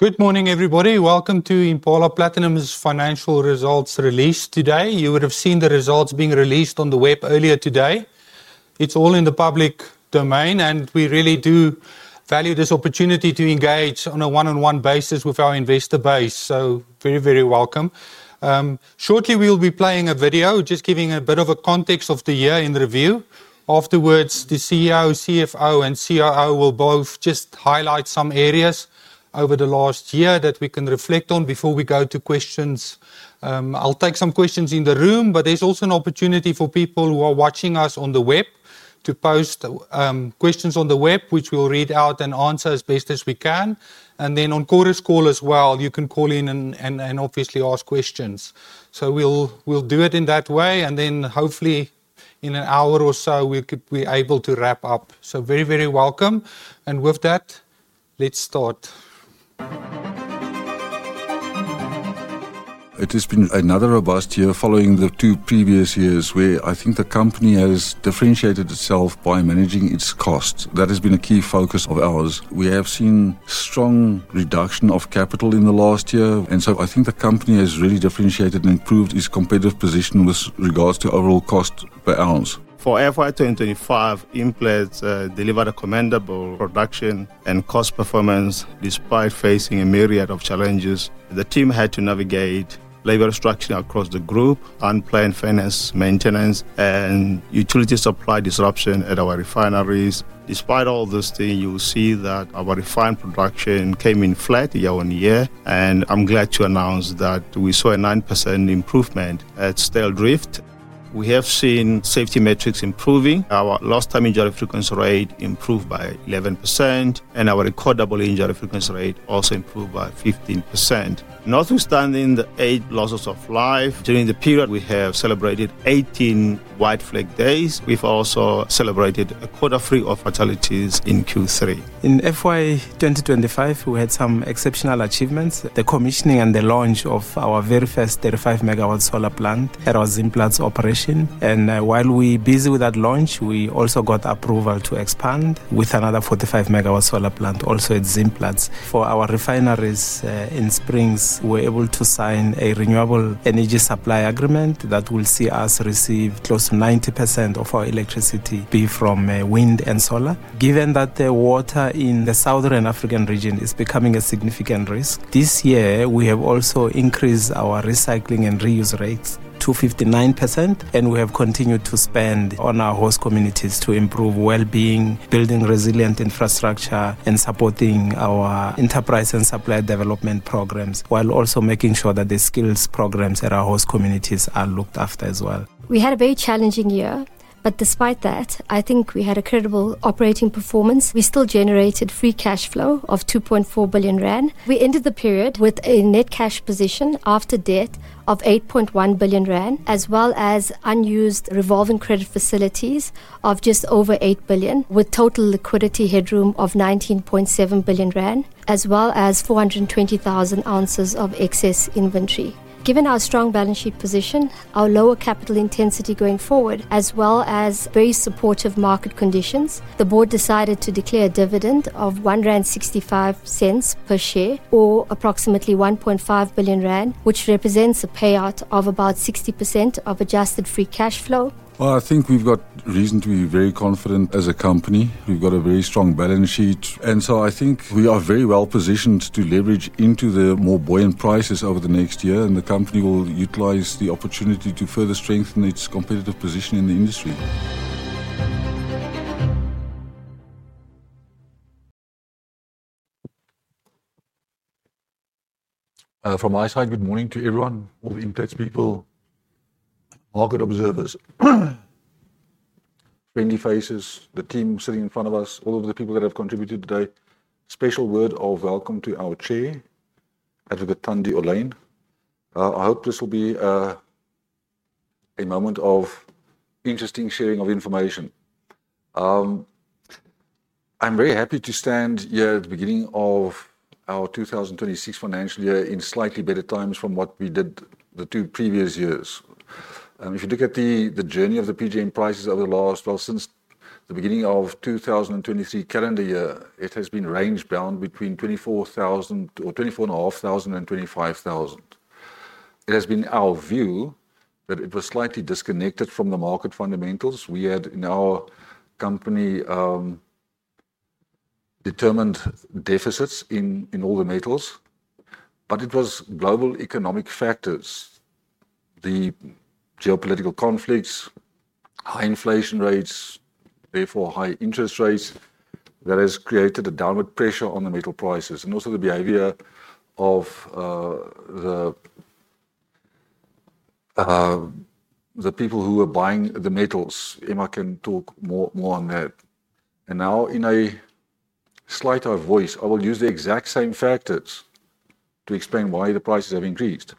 Good morning, everybody. Welcome to Impala Platinum's Financial Results Release today. You would have seen the results being released on the web earlier today. It's all in the public domain, and we really do value this opportunity to engage on a one-on-one basis with our investor base. You're very, very welcome. Shortly, we'll be playing a video, just giving a bit of context of the year in review. Afterwards, the CEO, CFO, and CIO will just highlight some areas over the last year that we can reflect on before we go to questions. I'll take some questions in the room, but there's also an opportunity for people who are watching us on the web to post questions on the web, which we'll read out and answer as best as we can. On the call as well, you can call in and obviously ask questions. We'll do it in that way, and hopefully in an hour or so, we'll be able to wrap up. You're very, very welcome. With that, let's start. It has been another robust year following the two previous years where I think the company has differentiated itself by managing its costs. That has been a key focus of ours. We have seen a strong reduction of capital in the last year, and I think the company has really differentiated and improved its competitive position with regards to overall costs per ounce. For FY2025, Implats delivered a commendable production and cost performance despite facing a myriad of challenges. The team had to navigate labor structuring across the group, unplanned finance, maintenance, and utility supply disruption at our refineries. Despite all those things, you will see that our refined production came in flat year on year, and I'm glad to announce that we saw a 9% improvement at Styldrift. We have seen safety metrics improving. Our lost time injury frequency rate improved by 11%, and our recordable injury frequency rate also improved by 15%. Notwithstanding the eight losses of life during the period, we have celebrated 18 white flag days. We've also celebrated a quarter free of fatalities in Q3. In FY2025, we had some exceptional achievements. The commissioning and the launch of our very first 35 MW solar plant at our Zimplats operation. While we were busy with that launch, we also got approval to expand with another 45 MW solar plant also at Zimplats. For our refineries in Springs, we were able to sign a renewable energy supply agreement that will see us receive close to 90% of our electricity from wind and solar. Given that the water in the Southern and African region is becoming a significant risk, this year we have also increased our recycling and reuse rates to 59%, and we have continued to spend on our host communities to improve well-being, building resilient infrastructure, and supporting our enterprise and supply development programs, while also making sure that the skills programs at our host communities are looked after as well. We had a very challenging year, but despite that, I think we had a credible operating performance. We still generated free cash flow of 2.4 billion rand. We ended the period with a net cash position after debt of 8.1 billion rand, as well as unused revolving credit facilities of just over 8 billion, with total liquidity headroom of 19.7 billion rand, as well as 420,000 oz of excess inventory. Given our strong balance sheet position, our lower capital intensity going forward, as well as very supportive market conditions, the board decided to declare a dividend of 165 rand per share, or approximately 1.5 billion rand, which represents a payout of about 60% of adjusted free cash flow. I think we've got reason to be very confident as a company. We've got a very strong balance sheet, and I think we are very well positioned to leverage into the more buoyant prices over the next year, and the company will utilize the opportunity to further strengthen its competitive position in the industry. From my side, good morning to everyone, all the in-text people, market observers, friendly faces, the team sitting in front of us, all of the people that have contributed today. Special word of welcome to our Chair, Thandi Olane. I hope this will be a moment of interesting sharing of information. I'm very happy to stand here at the beginning of our 2026 financial year in slightly better times from what we did the two previous years. If you look at the journey of the PGM prices over the last, well, since the beginning of the 2023 calendar year, it has been ranged down between 24,000 or 24,500 and 25,000. It has been our view that it was slightly disconnected from the market fundamentals. We had in our company determined deficits in all the metals, but it was global economic factors, the geopolitical conflicts, high inflation rates, therefore high interest rates that has created a downward pressure on the metal prices. Also the behavior of the people who were buying the metals. Emma can talk more on that. Now in a slighter voice, I will use the exact same factors to explain why the prices have increased.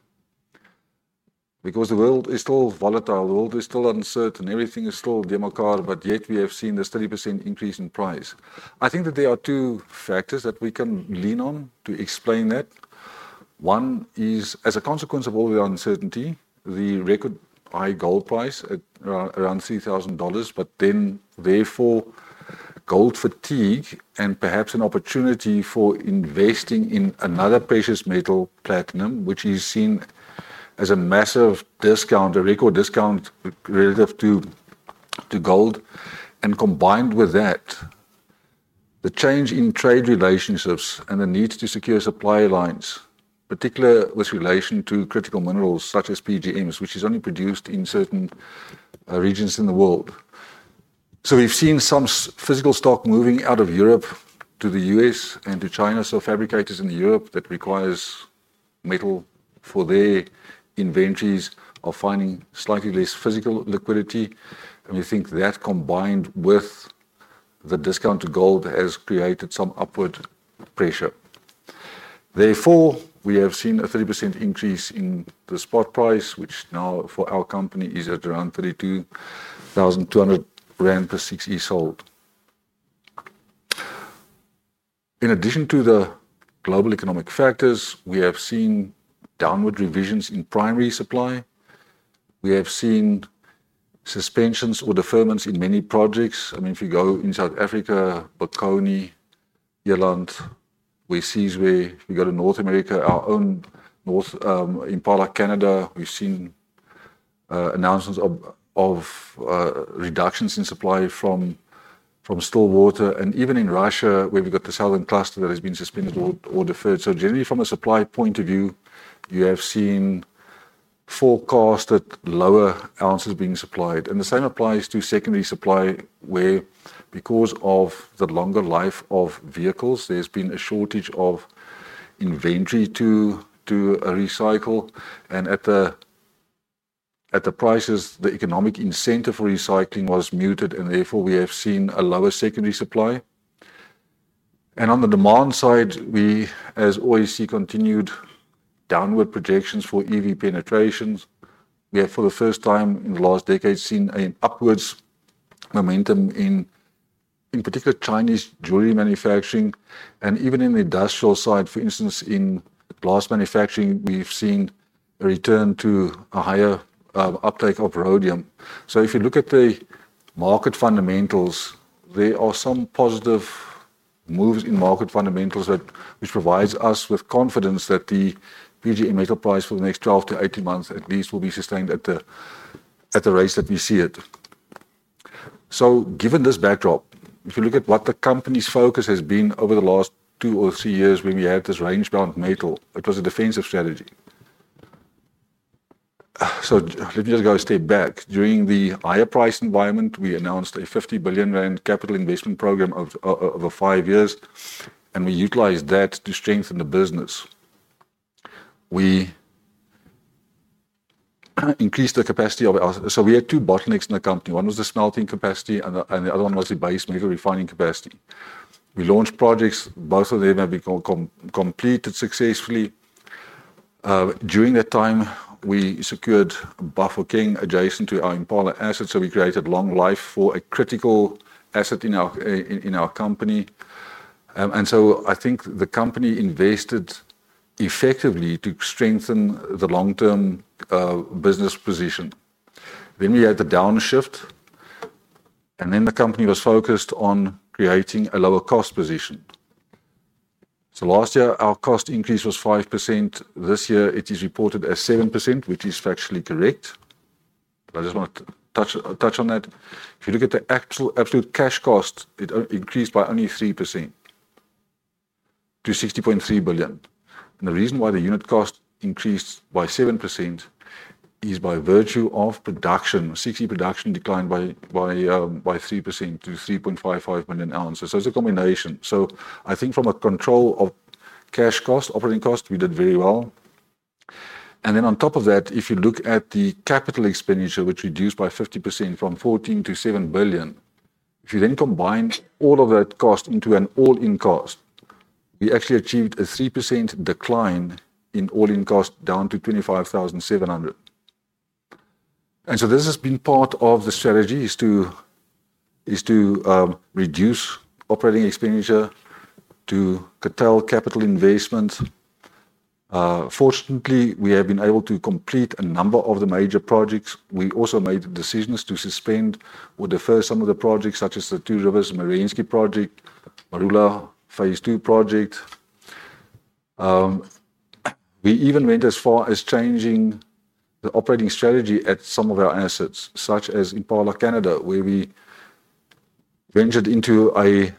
The world is still volatile, the world is still uncertain, everything is still democratic, yet we have seen this 30% increase in price. I think that there are two factors that we can lean on to explain that. One is, as a consequence of all the uncertainty, the record high gold price at around $3,000, but then therefore gold fatigue and perhaps an opportunity for investing in another precious metal, platinum, which is seen as a massive discount, a record discount relative to gold. Combined with that, the change in trade relationships and the need to secure supply lines, particularly with relation to critical minerals such as PGMs, which is only produced in certain regions in the world. We've seen some physical stock moving out of Europe to the U.S. and to China. Fabricators in Europe that require metal for their inventories are finding slightly less physical liquidity. We think that combined with the discount to gold has created some upward pressure. Therefore, we have seen a 30% increase in the spot price, which now for our company is at around 32,200 rand per 6E sold. In addition to the global economic factors, we have seen downward revisions in primary supply. We have seen suspensions or deferments in many projects. If you go in South Africa, Bokoni, Eland, Wesizwe. We've got in North America, our own Impala Canada. We've seen announcements of reductions in supply from Stillwater, and even in Russia, where we've got the Southern Cluster that has been suspended or deferred. Generally, from a supply point of view, you have seen forecasted lower ounces being supplied. The same applies to secondary supply where, because of the longer life of vehicles, there's been a shortage of inventory to recycle. At the prices, the economic incentive for recycling was muted, and therefore we have seen a lower secondary supply. On the demand side, we, as always, see continued downward projections for EV penetrations. We have, for the first time in the last decade, seen an upward momentum in particular Chinese jewelry manufacturing. Even in the industrial side, for instance, in glass manufacturing, we've seen a return to a higher uptake of rhodium. If you look at the market fundamentals, there are some positive moves in market fundamentals that provide us with confidence that the PGM metal price for the next 12 to 18 months at least will be sustained at the rates that we see it. Given this backdrop, if you look at what the company's focus has been over the last two or three years, where we had this rangebound metal, it was a defensive strategy. Let me just go a step back. During the higher price environment, we announced a 50 billion rand capital investment program over five years, and we utilized that to strengthen the business. We increased the capacity of our. We had two bottlenecks in the company. One was the smelting capacity, and the other one was the base metal refining capacity. We launched projects; both of them have been completed successfully. During that time, we secured Bafokeng adjacent to our Impala assets. We created long life for a critical asset in our company. I think the company invested effectively to strengthen the long-term business position. We had the downshift, and the company was focused on creating a lower cost position. Last year, our cost increase was 5%. This year, it is reported as 7%, which is factually correct. I just want to touch on that. If you look at the actual absolute cash cost, it increased by only 3% to 60.3 billion. The reason why the unit cost increased by 7% is by virtue of production. 60% production declined by 3% to 3.55 million oz. It's a combination. I think from a control of cash cost, operating cost, we did very well. Then on top of that, if you look at the capital expenditure, which reduced by 50% from 14 billion to 7 billion, if you then combine all of that cost into an all-in cost, we actually achieved a 3% decline in all-in cost down to 25,700. This has been part of the strategies to reduce operating expenditure, to curtail capital investments. Fortunately, we have been able to complete a number of the major projects. We also made decisions to suspend or defer some of the projects, such as the Two Rivers Merensky project and Marula Phase 2 project. We even went as far as changing the operating strategy at some of our assets, such as Impala Canada, where we ventured into a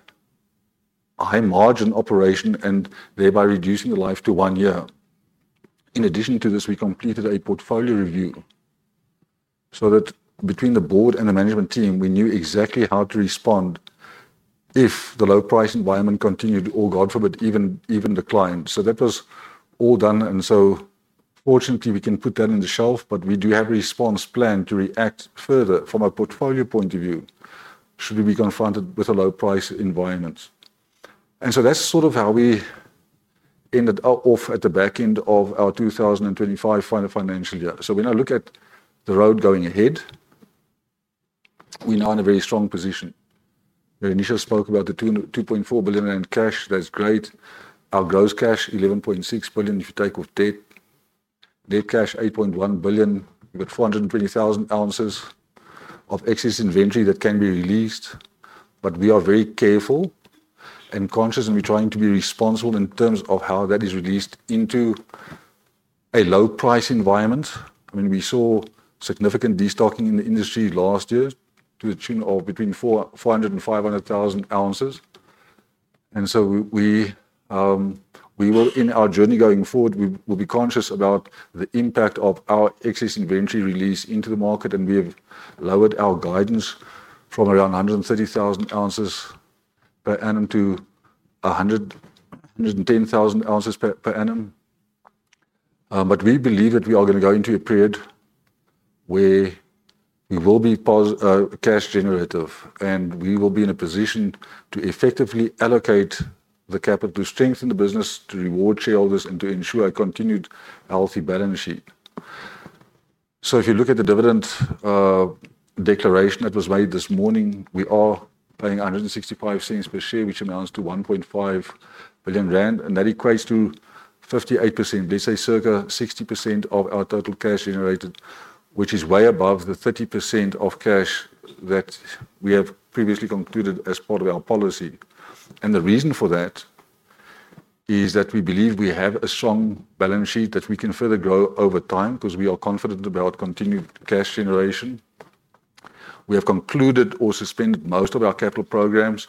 high margin operation and thereby reducing the life to one year. In addition to this, we completed a portfolio review so that between the board and the management team, we knew exactly how to respond if the low price environment continued or, God forbid, even declined. That was all done. Fortunately, we can put that on the shelf, but we do have a response plan to react further from a portfolio point of view should we be confronted with a low price environment. That is sort of how we ended up at the back end of our 2025 final financial year. When I look at the road going ahead, we're now in a very strong position. We initially spoke about the 2.4 billion in cash. That's great. Our gross cash, 11.6 billion, if you take off debt. Net cash, 8.1 billion. We've got 420,000 oz of excess inventory that can be released, but we are very careful and conscious, and we're trying to be responsible in terms of how that is released into a low price environment. I mean, we saw significant destocking in the industry last year to a tune of between 400,000 and 500,000 oz. We will, in our journey going forward, be conscious about the impact of our excess inventory release into the market, and we have lowered our guidance from around 130,000 oz per annum to 110,000 oz per annum. We believe that we are going to go into a period where we will be a cash generator, and we will be in a position to effectively allocate the capital to strengthen the business, to reward shareholders, and to ensure a continued healthy balance sheet. If you look at the dividend declaration that was made this morning, we are paying 165 per share, which amounts to 1.5 billion rand, and that equates to 58%. They say circa 60% of our total cash generated, which is way above the 30% of cash that we have previously concluded as part of our policy. The reason for that is that we believe we have a strong balance sheet that we can further grow over time because we are confident about continued cash generation. We have concluded or suspended most of our capital programs,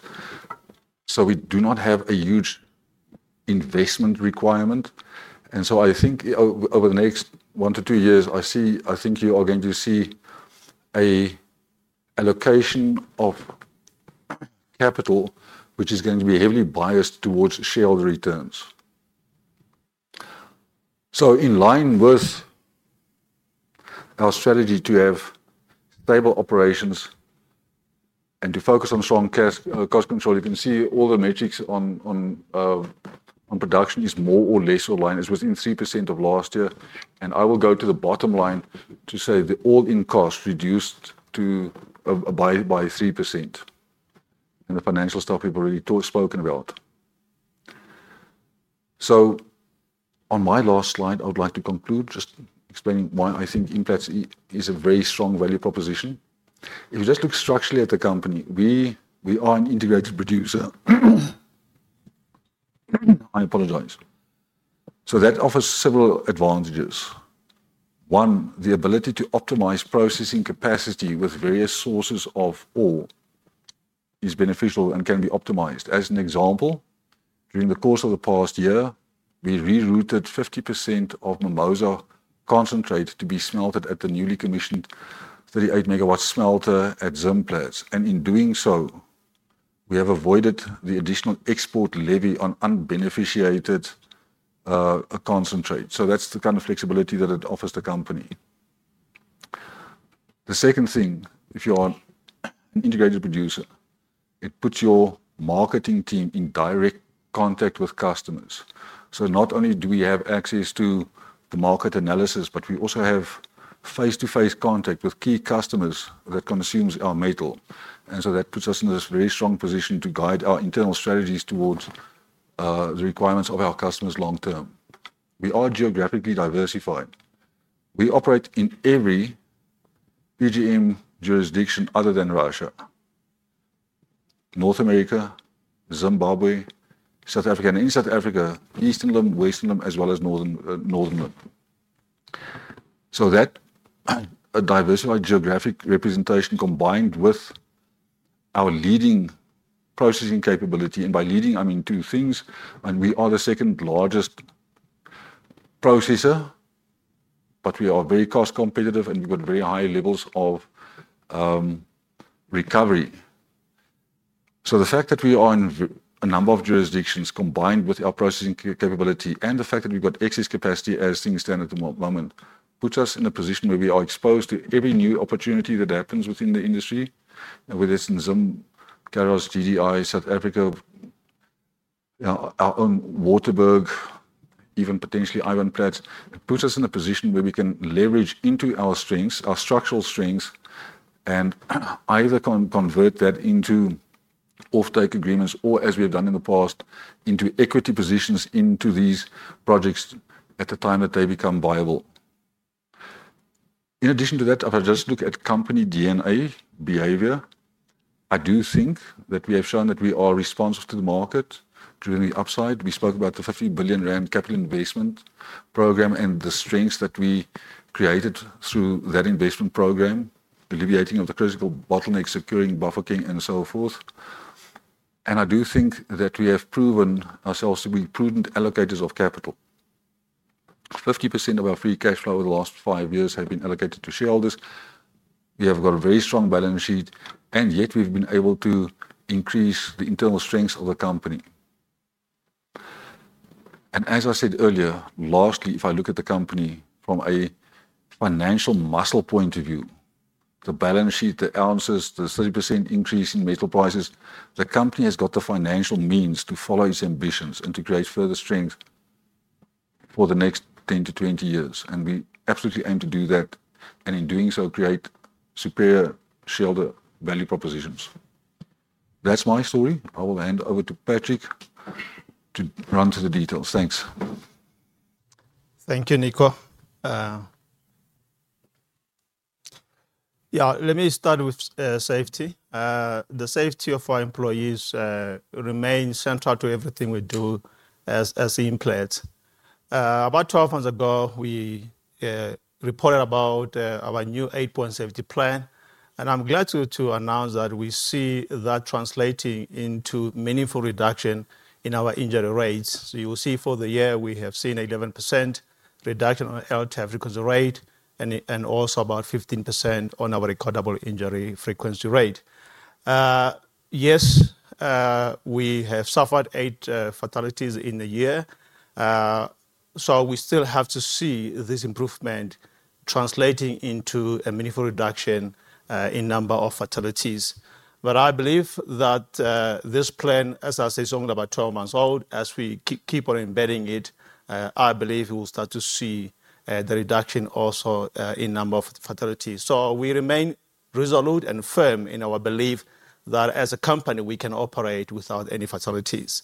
so we do not have a huge investment requirement. I think over the next one to two years, you are going to see an allocation of capital which is going to be heavily biased towards shareholder returns. In line with our strategy to have stable operations and to focus on strong cost control, you can see all the metrics on production is more or less aligned as was in 3% of last year. I will go to the bottom line to say the all-in cost reduced by 3%. The financial stuff we've already spoken about. On my last slide, I would like to conclude just explaining why I think Implats is a very strong value proposition. If you just look structurally at the company, we are an integrated producer. I apologize. That offers several advantages. One, the ability to optimize processing capacity with various sources of ore is beneficial and can be optimized. As an example, during the course of the past year, we rerouted 50% of Mimosa concentrate to be smelted at the newly commissioned 38 MW smelter at Zimplats. In doing so, we have avoided the additional export levy on unbeneficiated concentrate. That is the kind of flexibility that it offers the company. The second thing, if you are an integrated producer, it puts your marketing team in direct contact with customers. Not only do we have access to the market analysis, but we also have face-to-face contact with key customers that consume our metal. That puts us in this very strong position to guide our internal strategies towards the requirements of our customers long term. We are geographically diversified. We operate in every PGM jurisdiction other than Russia, North America, Zimbabwe, South Africa, and in South Africa, Eastern Limb, Western Limb, as well as Northern Limb. That diversified geographic representation combined with our leading processing capability, and by leading, I mean two things. We are the second largest processor, but we are very cost competitive and we've got very high levels of recovery. The fact that we are in a number of jurisdictions combined with our processing capability and the fact that we've got excess capacity as things stand at the moment puts us in a position where we are exposed to every new opportunity that happens within the industry. Whether it's in Zimplats, Karos, GDI, South Africa, our own Waterberg, even potentially Ivanplats, it puts us in a position where we can leverage into our strengths, our structural strengths, and either convert that into off-take agreements or, as we have done in the past, into equity positions in these projects at the time that they become viable. In addition to that, if I just look at company DNA behavior, I do think that we have shown that we are responsive to the market during the upside. We spoke about the 50 billion rand capital investment program and the strengths that we created through that investment program, alleviating the critical bottlenecks, securing buffering, and so forth. I do think that we have proven ourselves to be prudent allocators of capital. 50% of our free cash flow over the last five years has been allocated to shareholders. We have got a very strong balance sheet, and yet we've been able to increase the internal strengths of the company. As I said earlier, largely, if I look at the company from a financial muscle point of view, the balance sheet, the ounces, the 30% increase in metal prices, the company has got the financial means to follow its ambitions and to create further strength for the next 10 to 20 years. We absolutely aim to do that, and in doing so, create superior shareholder value propositions. That's my story. I will hand over to Patrick to run through the details. Thanks. Thank you, Nico. Yeah, let me start with safety. The safety of our employees remains central to everything we do as Implats. About 12 months ago, we reported about our new eight-point safety plan, and I'm glad to announce that we see that translating into meaningful reduction in our injury rates. You will see for the year, we have seen 11% reduction on health traffic rate and also about 15% on our recordable injury frequency rate. Yes, we have suffered eight fatalities in the year. We still have to see this improvement translating into a meaningful reduction in number of fatalities. I believe that this plan, as I said, is only about 12 months old. As we keep on embedding it, I believe we will start to see the reduction also in number of fatalities. We remain resolute and firm in our belief that as a company, we can operate without any fatalities.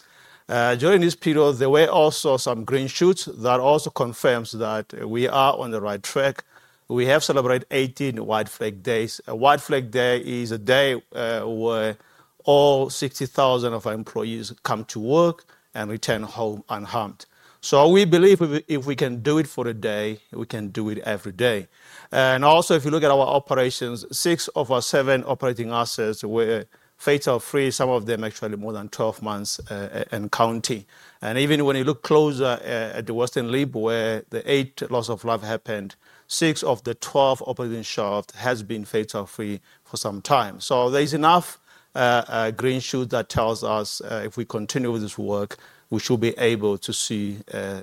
During this period, there were also some green shoots that confirm we are on the right track. We have celebrated 18 white flag days. A white flag day is a day where all 60,000 of our employees come to work and return home unharmed. We believe if we can do it for a day, we can do it every day. Also, if you look at our operations, six of our seven operating assets were fatal free, some of them actually more than 12 months and counting. Even when you look closer at the Western Limb where the eight loss of life happened, six of the 12 operating shafts have been fatal free for some time. There is enough green shoot that tells us if we continue with this work, we should be able to see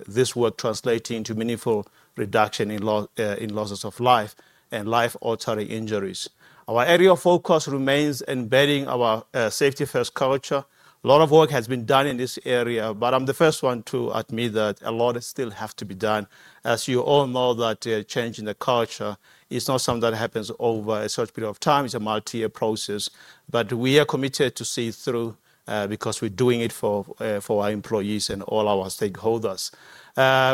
this work translating into meaningful reduction in losses of life and life-altering injuries. Our area of focus remains embedding our safety-first culture. A lot of work has been done in this area, but I'm the first one to admit that a lot still has to be done. As you all know, change in the culture is not something that happens over a certain period of time. It's a multi-year process. We are committed to see it through because we're doing it for our employees and all our stakeholders.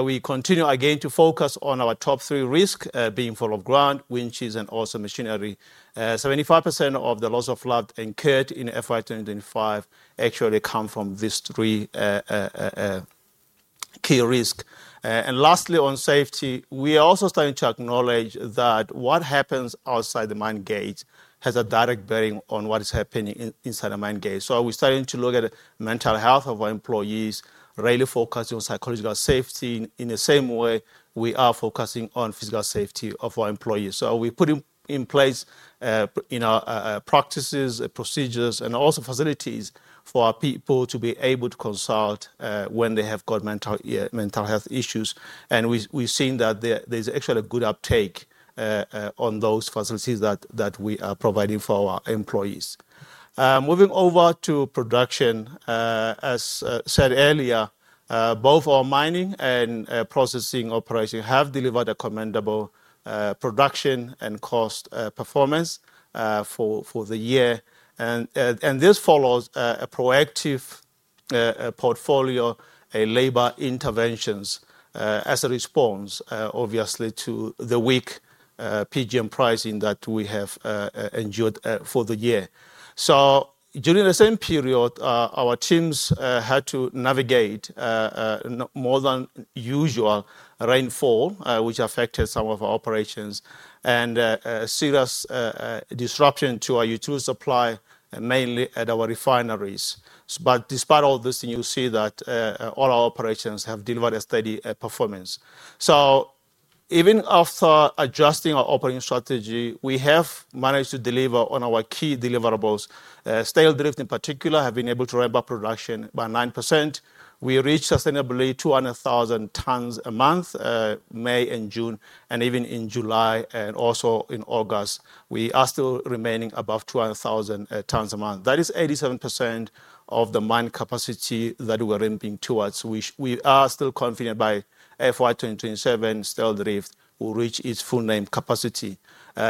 We continue again to focus on our top three risks, being fall of ground, winches, and also machinery. 75% of the loss of life incurred in FY2025 actually come from these three key risks. Lastly, on safety, we are also starting to acknowledge that what happens outside the mine gate has a direct bearing on what is happening inside the mine gate. We are starting to look at mental health of our employees, really focusing on psychological safety in the same way we are focusing on physical safety of our employees. We are putting in place practices, procedures, and also facilities for our people to be able to consult when they have got mental health issues. We have seen that there's actually a good uptake on those facilities that we are providing for our employees. Moving over to production, as said earlier, both our mining and processing operations have delivered a commendable production and cost performance for the year. This follows proactive portfolio and labor interventions as a response, obviously, to the weak PGM pricing that we have endured for the year. During the same period, our teams had to navigate more than usual rainfall, which affected some of our operations, and serious disruption to our utility supply, mainly at our refineries. Despite all this, you see that all our operations have delivered a steady performance. Even after adjusting our operating strategy, we have managed to deliver on our key deliverables. Styldrift, in particular, has been able to ramp up production by 9%. We reached sustainably 200,000 tons a month, May and June, and even in July and also in August, we are still remaining above 200,000 tons a month. That is 87% of the mine capacity that we are ramping towards. We are still confident by FY2027 Styldrift will reach its full-land capacity.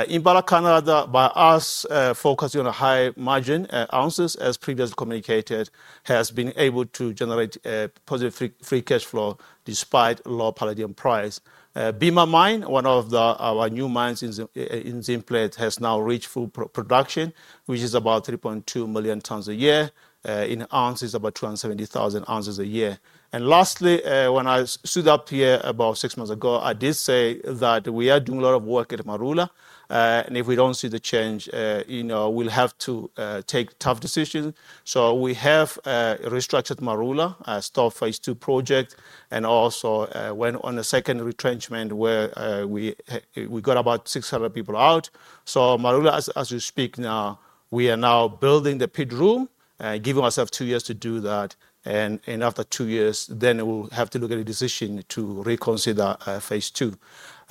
Impala Canada, by us focusing on high margin ounces, as previously communicated, has been able to generate a positive free cash flow despite low palladium price. Bimha Mine, one of our new mines in Zimplats, has now reached full production, which is about 3.2 million tons a year. In ounces, it's about 270,000 oz a year. Lastly, when I stood up here about six months ago, I did say that we are doing a lot of work at Marula. If we don't see the change, you know we'll have to take tough decisions. We have restructured Marula, stopped phase two project, and also went on a second retrenchment where we got about 600 people out. Marula, as we speak now, we are now building the pit room and giving ourselves two years to do that. After two years, then we'll have to look at a decision to reconsider phase two.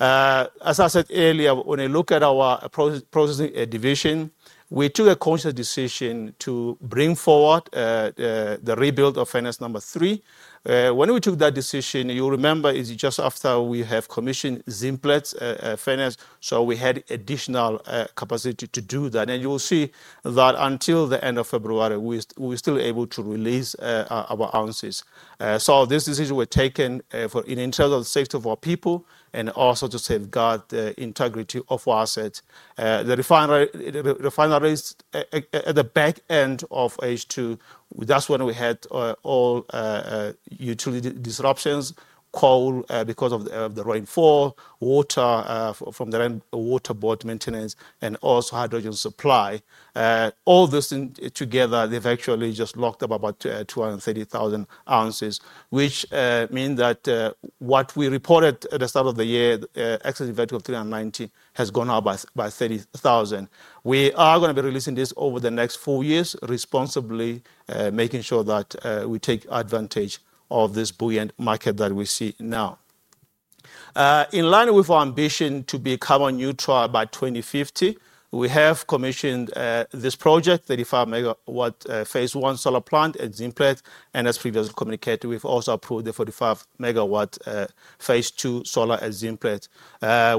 As I said earlier, when I look at our processing division, we took a conscious decision to bring forward the rebuild of furnace number three. When we took that decision, you'll remember it's just after we had commissioned Zimplats furnace, so we had additional capacity to do that. You'll see that until the end of February, we're still able to release our ounces. This decision was taken in the interest of the safety of our people and also to safeguard the integrity of our assets. The refineries at the back end of phase two, that's when we had all utility disruptions, coal because of the rainfall, water from the rainwater board maintenance, and also hydrogen supply. All this together, they've actually just locked up about 230,000 oz, which means that what we reported at the start of the year, excess vertical 390, has gone up by 30,000. We are going to be releasing this over the next four years, responsibly making sure that we take advantage of this buoyant market that we see now. In line with our ambition to be carbon neutral by 2050, we have commissioned this project, 35 MW Phase 1 solar plant at Zimplats. As previously communicated, we've also approved the 45 MW Phase 2 solar at Zimplats.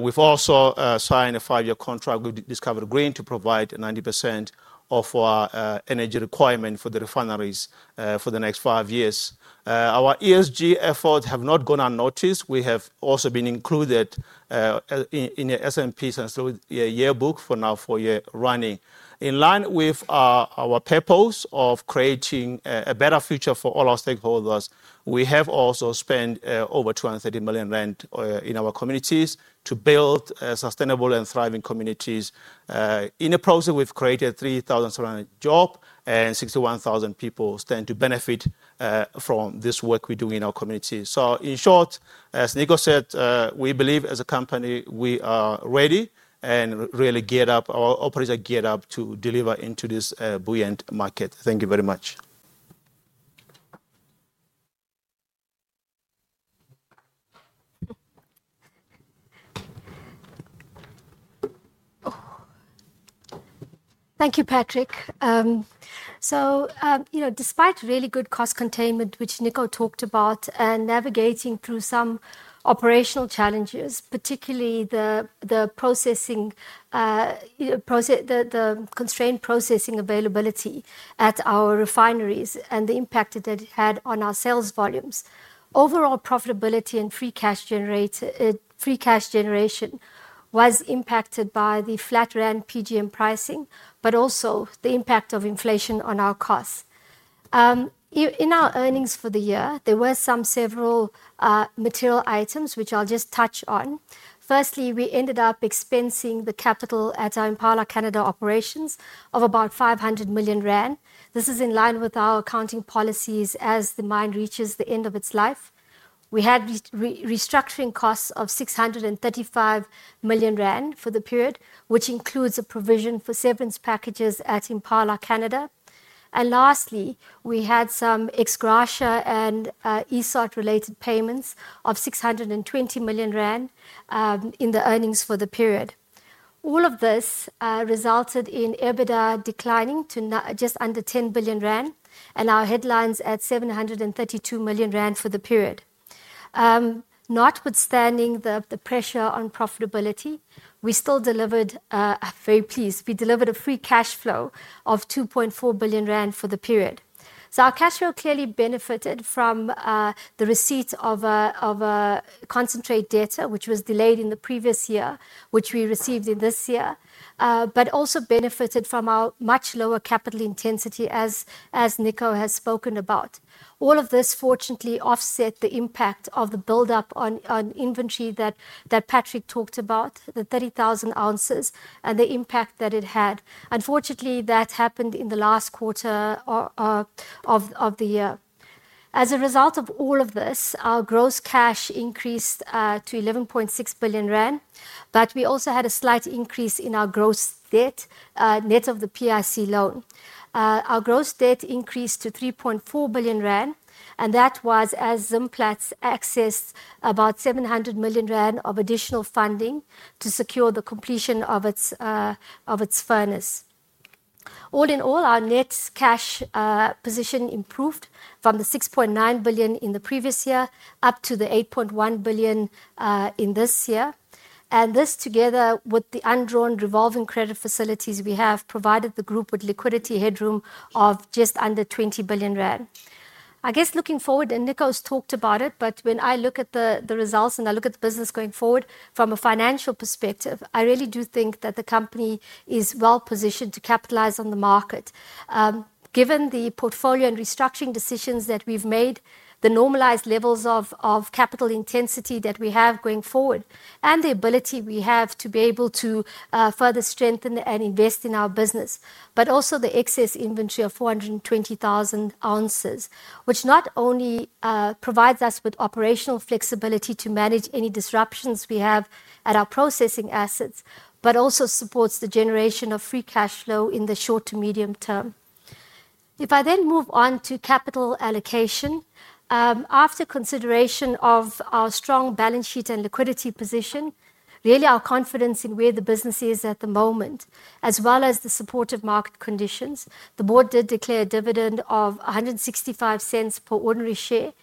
We've also signed a five-year contract with Discovery Green to provide 90% of our energy requirement for the refineries for the next five years. Our ESG efforts have not gone unnoticed. We have also been included in the S&P Sensible Yearbook for now four years running. In line with our purpose of creating a better future for all our stakeholders, we have also spent over 230 million rand in our communities to build sustainable and thriving communities. In the process, we've created 3,700 jobs and 61,000 people stand to benefit from this work we're doing in our communities. In short, as Nico said, we believe as a company, we are ready and really geared up, our operators are geared up to deliver into this buoyant market. Thank you very much. Thank you, Patrick. You know, despite really good cost containment, which Nico talked about, and navigating through some operational challenges, particularly the constrained processing availability at our refineries and the impact that it had on our sales volumes, overall profitability and free cash generation was impacted by the flat rand PGM pricing, but also the impact of inflation on our costs. In our earnings for the year, there were several material items which I'll just touch on. Firstly, we ended up expensing the capital at our Impala Canada operations of about 500 million rand. This is in line with our accounting policies as the mine reaches the end of its life. We had restructuring costs of 635 million rand for the period, which includes a provision for severance packages at Impala Canada. Lastly, we had some ex-gratia and ESOT-related payments of 620 million rand in the earnings for the period. All of this resulted in EBITDA declining to just under 10 billion rand and our headlines at 732 million rand for the period. Notwithstanding the pressure on profitability, we still delivered a very pleased. We delivered a free cash flow of 2.4 billion rand for the period. Our cash flow clearly benefited from the receipt of concentrate data, which was delayed in the previous year, which we received in this year, but also benefited from our much lower capital intensity, as Nico has spoken about. All of this, fortunately, offset the impact of the buildup on inventory that Patrick talked about, the 30,000 oz, and the impact that it had. Unfortunately, that happened in the last quarter of the year. As a result of all of this, our gross cash increased to 11.6 billion rand, but we also had a slight increase in our gross debt, net of the PIC loan. Our gross debt increased to 3.4 billion rand, and that was as Zimplats accessed about 700 million rand of additional funding to secure the completion of its furnace. All in all, our net cash position improved from the 6.9 billion in the previous year up to the 8.1 billion in this year. This, together with the undrawn revolving credit facilities we have, provided the group with liquidity headroom of just under 20 billion rand. I guess looking forward, and Nico's talked about it, but when I look at the results and I look at the business going forward from a financial perspective, I really do think that the company is well positioned to capitalize on the market. Given the portfolio and restructuring decisions that we've made, the normalized levels of capital intensity that we have going forward, and the ability we have to be able to further strengthen and invest in our business, but also the excess inventory of 420,000 oz, which not only provides us with operational flexibility to manage any disruptions we have at our processing assets, but also supports the generation of free cash flow in the short to medium term. If I then move on to capital allocation, after consideration of our strong balance sheet and liquidity position, really our confidence in where the business is at the moment, as well as the supportive market conditions, the board did declare a dividend of 165 per ordinary share,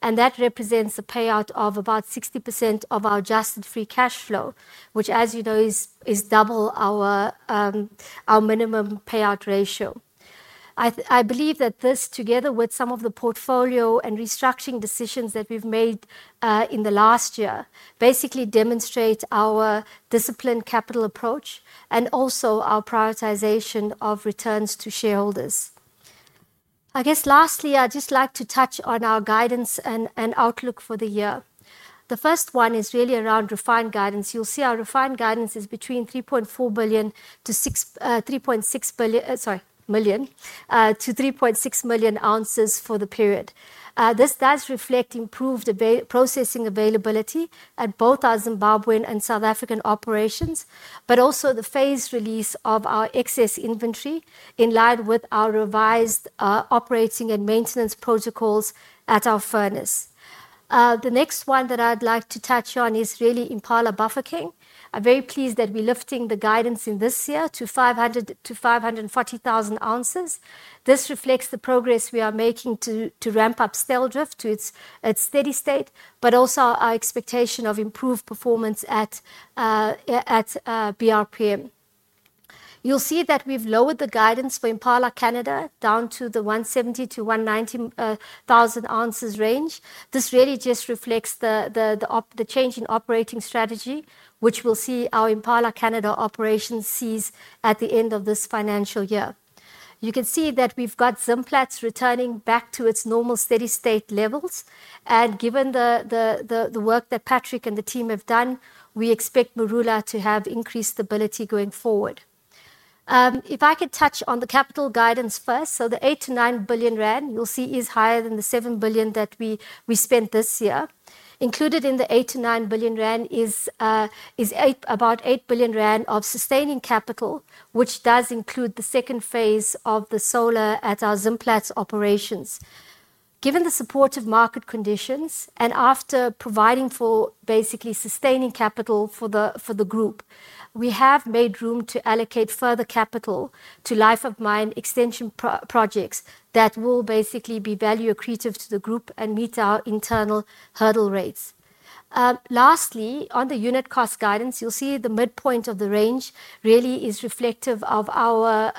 and that represents a payout of about 60% of our adjusted free cash flow, which, as you know, is double our minimum payout ratio. I believe that this, together with some of the portfolio and restructuring decisions that we've made in the last year, basically demonstrates our disciplined capital approach and also our prioritization of returns to shareholders. Lastly, I'd just like to touch on our guidance and outlook for the year. The first one is really around refined guidance. You'll see our refined guidance is between 3.4 million oz-3.6 million oz for the period. This does reflect improved processing availability at both our Zimbabwean and South African operations, but also the phased release of our excess inventory in line with our revised operating and maintenance protocols at our furnace. The next one that I'd like to touch on is really Impala Bafokeng. I'm very pleased that we're lifting the guidance in this year to 540,000 oz. This reflects the progress we are making to ramp up Styldrift to its steady state, but also our expectation of improved performance at BRPM. You'll see that we've lowered the guidance for Impala Canada down to the 170,000 oz-190,000 oz range. This really just reflects the change in operating strategy, which will see our Impala Canada operations cease at the end of this financial year. You can see that we've got Zimplats returning back to its normal steady state levels. Given the work that Patrick and the team have done, we expect Marula to have increased stability going forward. If I could touch on the capital guidance first, the 8 billion-9 billion rand, you'll see, is higher than the 7 billion that we spent this year. Included in the 8 billion-9 billion rand is about 8 billion rand of sustaining capital, which does include the second phase of the solar at our Zimplats operations. Given the supportive market conditions and after providing for basically sustaining capital for the group, we have made room to allocate further capital to life-of-mine extension projects that will basically be value accretive to the group and meet our internal hurdle rates. Lastly, on the unit cost guidance, you'll see the midpoint of the range really is reflective of our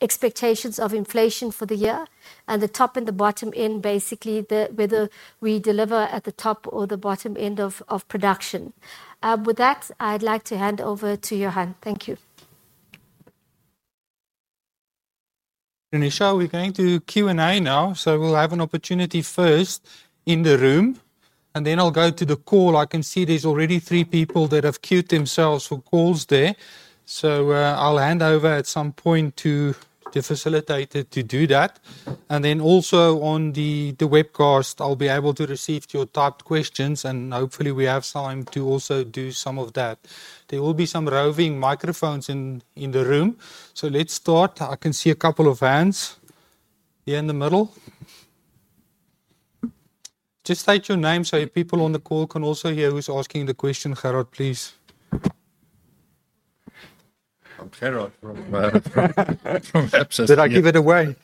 expectations of inflation for the year, and the top and the bottom end basically whether we deliver at the top or the bottom end of production. With that, I'd like to hand over to Johan. Thank you. Roonisha, we're going to Q&A now, so we'll have an opportunity first in the room, and then I'll go to the call. I can see there's already three people that have queued themselves for calls there. I'll hand over at some point to the facilitator to do that. Also, on the webcast, I'll be able to receive your typed questions, and hopefully we have time to also do some of that. There will be some roving microphones in the room. Let's start. I can see a couple of hands here in the middle. Just state your name so people on the call can also hear who's asking the question. Gerhard, please. I'm Gerhard from Absa CIB. Did I give it away?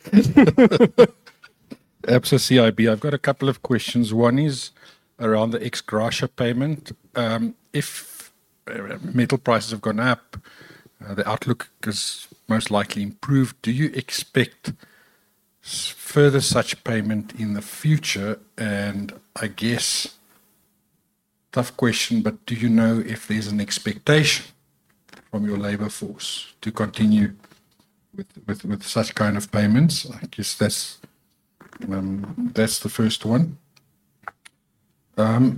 Absa CIB. I've got a couple of questions. One is around the ex-gratia payment. If metal prices have gone up, the outlook is most likely improved. Do you expect further such payment in the future? I guess, tough question, but do you know if there's an expectation from your labor force to continue with such kind of payments? I guess that's the first one. I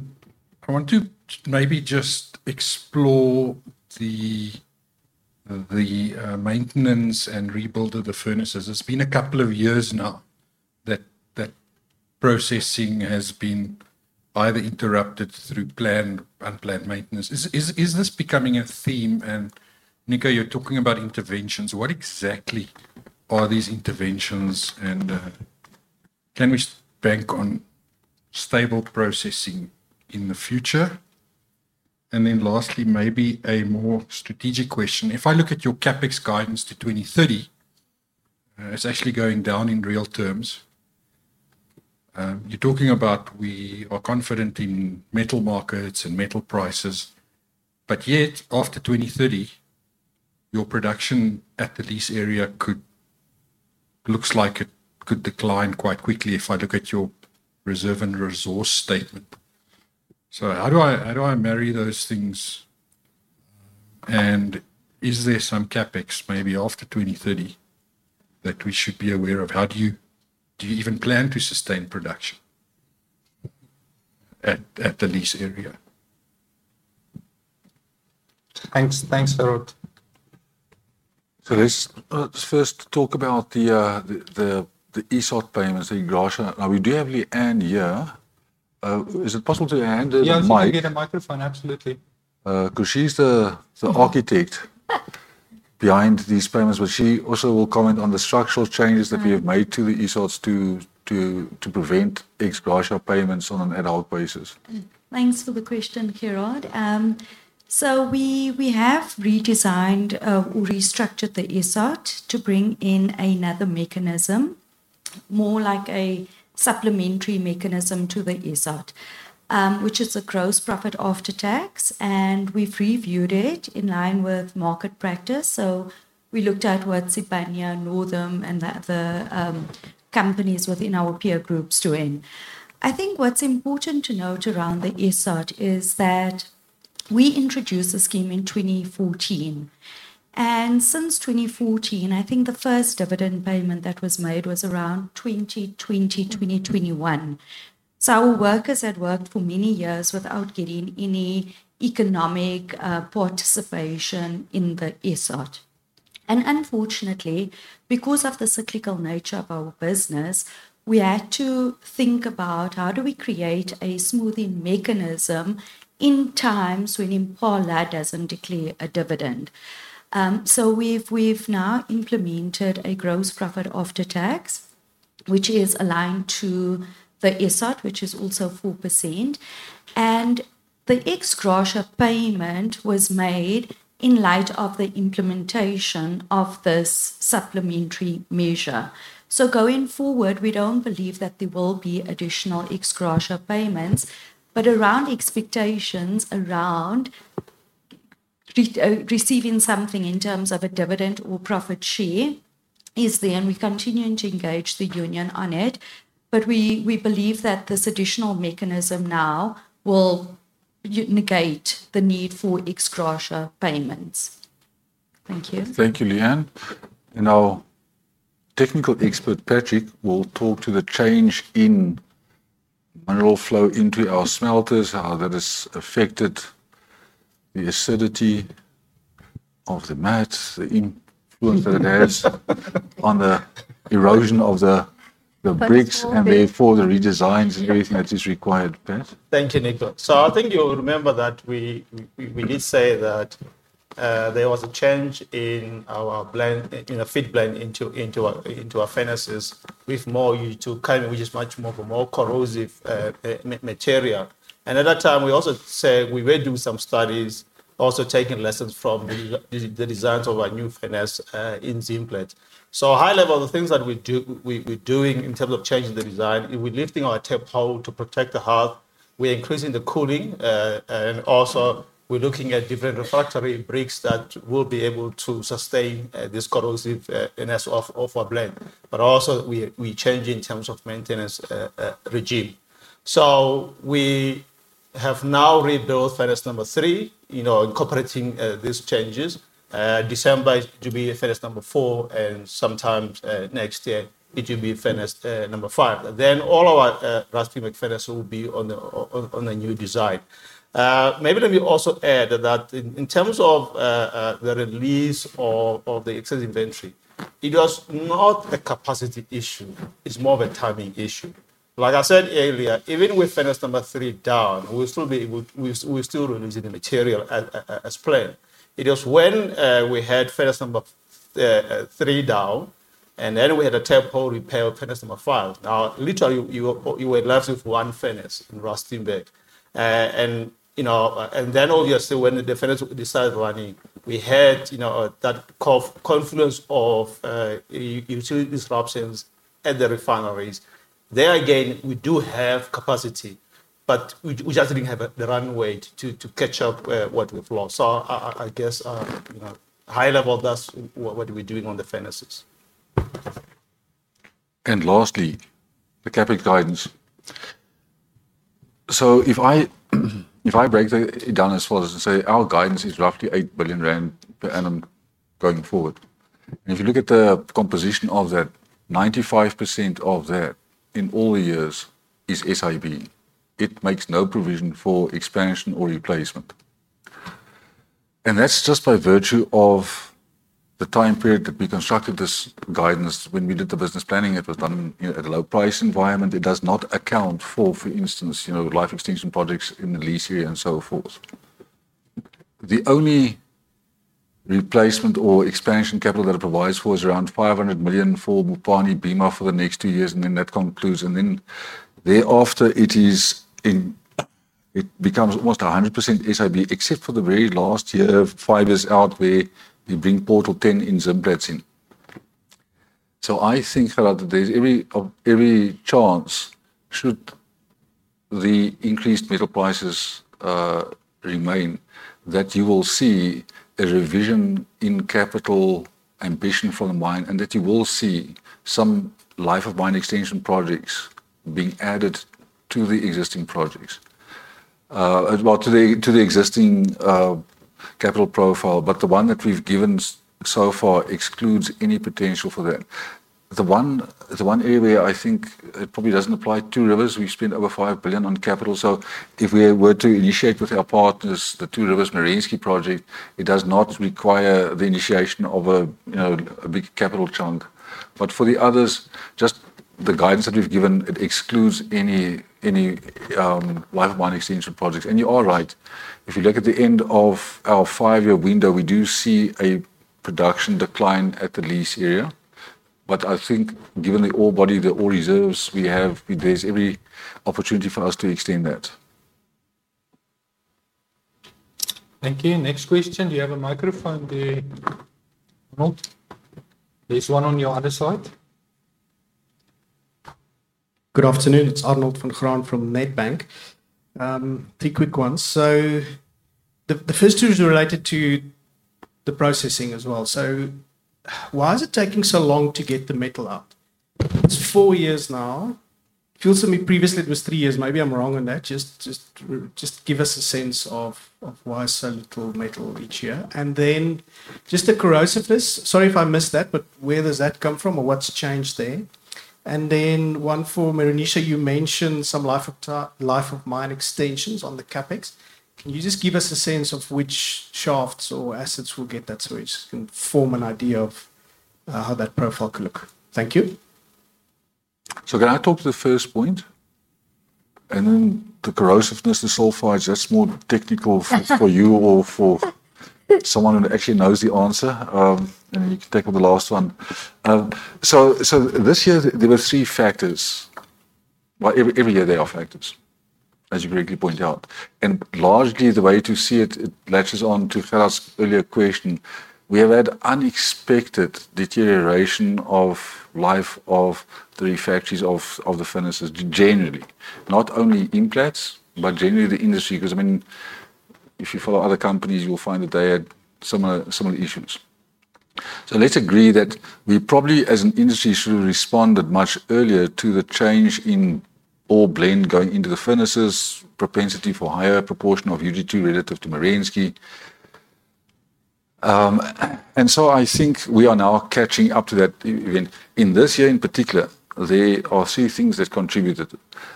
want to maybe just explore the maintenance and rebuild of the furnaces. It's been a couple of years now that processing has been either interrupted through planned or unplanned maintenance. Is this becoming a theme? Nico, you're talking about interventions. What exactly are these interventions? Can we bank on stable processing in the future? Lastly, maybe a more strategic question. If I look at your CapEx guidance to 2030, it's actually going down in real terms. You're talking about we are confident in metal markets and metal prices, but yet after 2030, your production at the lease area looks like it could decline quite quickly if I look at your reserve and resource statement. How do I marry those things? Is there some CapEx maybe after 2030 that we should be aware of? How do you even plan to sustain production at the lease area? Thanks, thanks Gerhard. Let's first talk about the ESOT payments in gratia. Now we do have Lee-Ann here. Is it possible to hand her the mic? Yes, I can get a microphone, absolutely. Because she's the architect behind these payments, she also will comment on the structural changes that we have made to the ESOTs to prevent ex-gratia payments on an ad hoc basis. Thanks for the question, Gerhard. We have redesigned or restructured the ESOT to bring in another mechanism, more like a supplementary mechanism to the ESOT, which is a gross profit after tax. We've reviewed it in line with market practice. We looked at what Sibanye, Northam, and the other companies within our peer group are doing. I think what's important to note around the ESOT is that we introduced the scheme in 2014. Since 2014, I think the first dividend payment that was made was around 2020, 2021. Our workers had worked for many years without getting any economic participation in the ESOT. Unfortunately, because of the cyclical nature of our business, we had to think about how we create a smoothing mechanism in times when Impala doesn't declare a dividend. We've now implemented a gross profit after tax, which is aligned to the ESOT, which is also 4%. The ex-gratia payment was made in light of the implementation of this supplementary measure. Going forward, we don't believe that there will be additional ex gratia payments. Expectations around receiving something in terms of a dividend or profit share are there, and we're continuing to engage the union on it. We believe that this additional mechanism now will negate the need for ex gratia payments. Thank you. Thank you, Lee-Ann. Our technical expert, Patrick, will talk to the change in mineral flow into our smelters, how that has affected the acidity of the mats, the influence that it has on the erosion of the bricks, and therefore the redesigns and everything that is required. Thank you, Nico. I think you'll remember that we did say that there was a change in our blend, in a fit blend into our furnaces with more UG2, which is much more of a more corrosive material. At that time, we also said we will do some studies, also taking lessons from the designs of our new furnace in Zimplats. High level, the things that we're doing in terms of changing the design, we're lifting our tap hole to protect the hearth. We're increasing the cooling, and also we're looking at different refractory bricks that will be able to sustain this corrosiveness of our blend. We also change in terms of maintenance regime. We have now rebuilt furnace number three, incorporating these changes. December is to be furnace number four, and sometime next year it will be furnace number five. Then all of our Rustenburg furnaces will be on the new design. Maybe let me also add that in terms of the release of the excess inventory, it is not a capacity issue. It's more of a timing issue. Like I said earlier, even with furnace number three down, we'll still be able to release the material as planned. It is when we had furnace number three down, and then we had a tap hole repair of furnace number five. Now, literally, you were left with one furnace in Rustenburg. Obviously, when the furnace started running, we had that confluence of utility disruptions at the refineries. Again, we do have capacity, but we just didn't have the runway to catch up what we've lost. I guess, high level, that's what we're doing on the furnaces. Lastly, the CapEx guidance. If I break it down as far as to say our guidance is roughly 8 billion rand per annum going forward. If you look at the composition of that, 95% of that in all the years is SIB. It makes no provision for expansion or replacement. That's just by virtue of the time period that we constructed this guidance. When we did the business planning, it was done at a low price environment. It does not account for, for instance, life extension projects in the lease area and so forth. The only replacement or expansion capital that it provides for is around 500 million for Mupani Bimha for the next two years, and then that concludes. Thereafter, it becomes almost 100% SIB, except for the very last year, five years out where we bring Portal 10 in Zimplats in. I think that there's every chance should the increased metal prices remain that you will see a revision in capital ambition from the mine, and that you will see some life-of-mine extension projects being added to the existing projects, to the existing capital profile. The one that we've given so far excludes any potential for that. The one area where I think it probably doesn't apply to Two R ivers, we've spent over 5 billion on capital. If we were to initiate with our partners the Two Rivers Merensky project, it does not require the initiation of a big capital chunk. For the others, just the guidance that we've given, it excludes any life-of-mine extension projects. You are right. If you look at the end of our five-year window, we do see a production decline at the lease area. I think given the ore body, the ore reserves we have, there's every opportunity for us to extend that. Thank you. Next question. Do you have a microphone there? There's one on your other side. Good afternoon. It's Arnold Van Graan from Nedbank. Two quick ones. The first two are related to the processing as well. Why is it taking so long to get the metal out? It's four years now. Feels to me previously it was three years. Maybe I'm wrong on that. Just give us a sense of why so little metal each year. Just the corrosiveness. Sorry if I missed that, but where does that come from or what's changed there? One for Meroonisha. You mentioned some life-of-mine extensions on the CapEx. Can you just give us a sense of which shafts or assets will get that through? Just to form an idea of how that profile could look. Thank you. Can I talk to the first point? The corrosiveness and sulfurize, that's more technical for you or for someone who actually knows the answer. You can take on the last one. This year there were three factors. Every year there are factors, as you correctly point out. Largely the way to see it, it latches on to Gerhard's earlier question. We have had unexpected deterioration of life of the refractories of the furnaces. Genuinely, not only Implats, but generally the industry. If you follow other companies, you'll find that they had similar issues. Let's agree that we probably as an industry should have responded much earlier to the change in ore blend going into the furnaces, propensity for a higher proportion of UG2 relative to Merensky. I think we are now catching up to that event. In this year in particular, there are three things that contributed.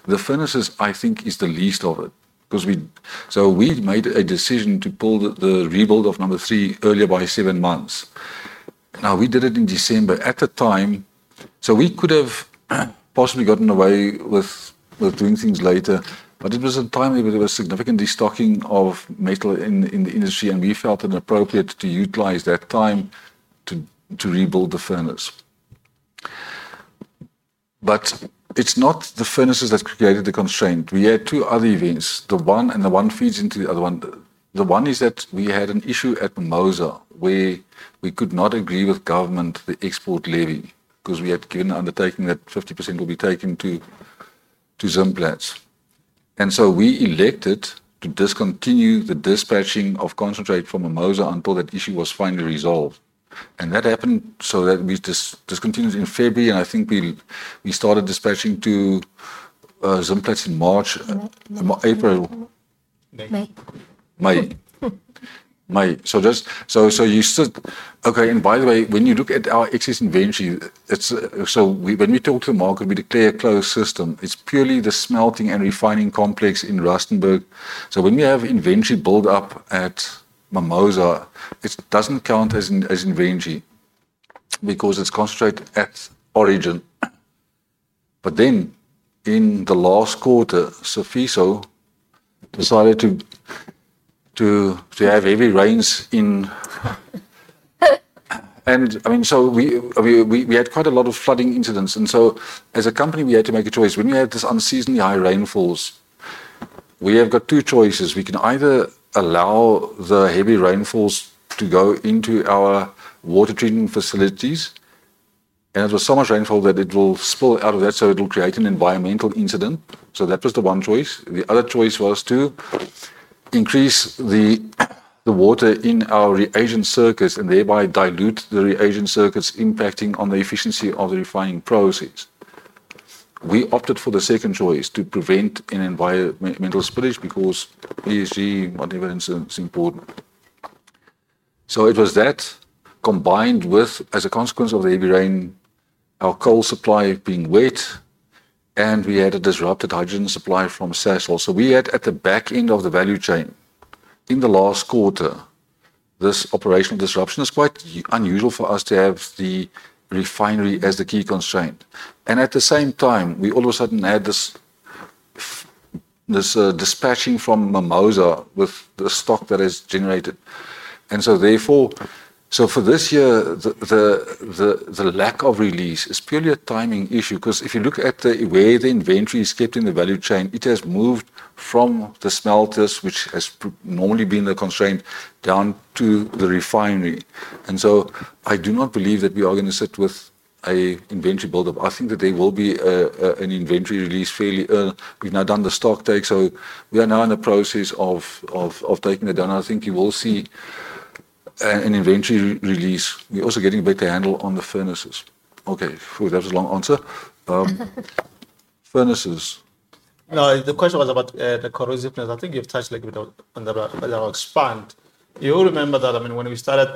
The furnaces, I think, is the least of it because we made a decision to pull the rebuild of number three earlier by seven months. We did it in December at the time. We could have possibly gotten away with doing things later, but it was a time when there was significant restocking of metal in the industry, and we felt it appropriate to utilize that time to rebuild the furnace. It's not the furnaces that created the constraint. We had two other events. The one, and the one feeds into the other one. The one is that we had an issue at Mimosa where we could not agree with government on the export levy because we had given an undertaking that 50% will be taken to Zimplats. We elected to discontinue the dispatching of concentrate from Mimosa until that issue was finally resolved. That happened so that we discontinued in February, and I think we started dispatching to Zimplats in March, April, May. Just so you said, okay. By the way, when you look at our excess inventory, when we talk to the market, we declare a closed system. It's purely the smelting and refining complex in Rustenburg. When we have inventory buildup at Mimosa, it doesn't count as inventory because it's concentrate at origin. In the last quarter, Sifiso decided to have heavy rains in. I mean, we had quite a lot of flooding incidents. As a company, we had to make a choice. When we had this unseasonally high rainfall, we have got two choices. We can either allow the heavy rainfall to go into our water treatment facilities, and it was so much rainfall that it would spill out of that, so it would create an environmental incident. That was the one choice. The other choice was to increase the water in our reagent circuits and thereby dilute the reagent circuits, impacting on the efficiency of the refining process. We opted for the second choice to prevent an environmental spillage because ESG, whatever incident, is important. It was that combined with, as a consequence of the heavy rain, our coal supply being wet, and we had a disrupted hydrogen supply from Sasol. We had at the back end of the value chain in the last quarter this operational disruption. It's quite unusual for us to have the refinery as the key constraint. At the same time, we all of a sudden had this dispatching from Mimosa with the stock that is generated. Therefore, for this year, the lack of release is purely a timing issue because if you look at the way the inventory is kept in the value chain, it has moved from the smelters, which has normally been the constraint, down to the refinery. I do not believe that we are going to sit with an inventory buildup. I think that there will be an inventory release fairly early. We've now done the stock take, so we are now in the process of taking it down. I think you will see an inventory release. We're also getting a better handle on the furnaces. Okay, sure, that was a long answer. Furnaces. No, the question was about the corrosiveness. I think you've touched a little bit on the other expand. You'll remember that, I mean, when we started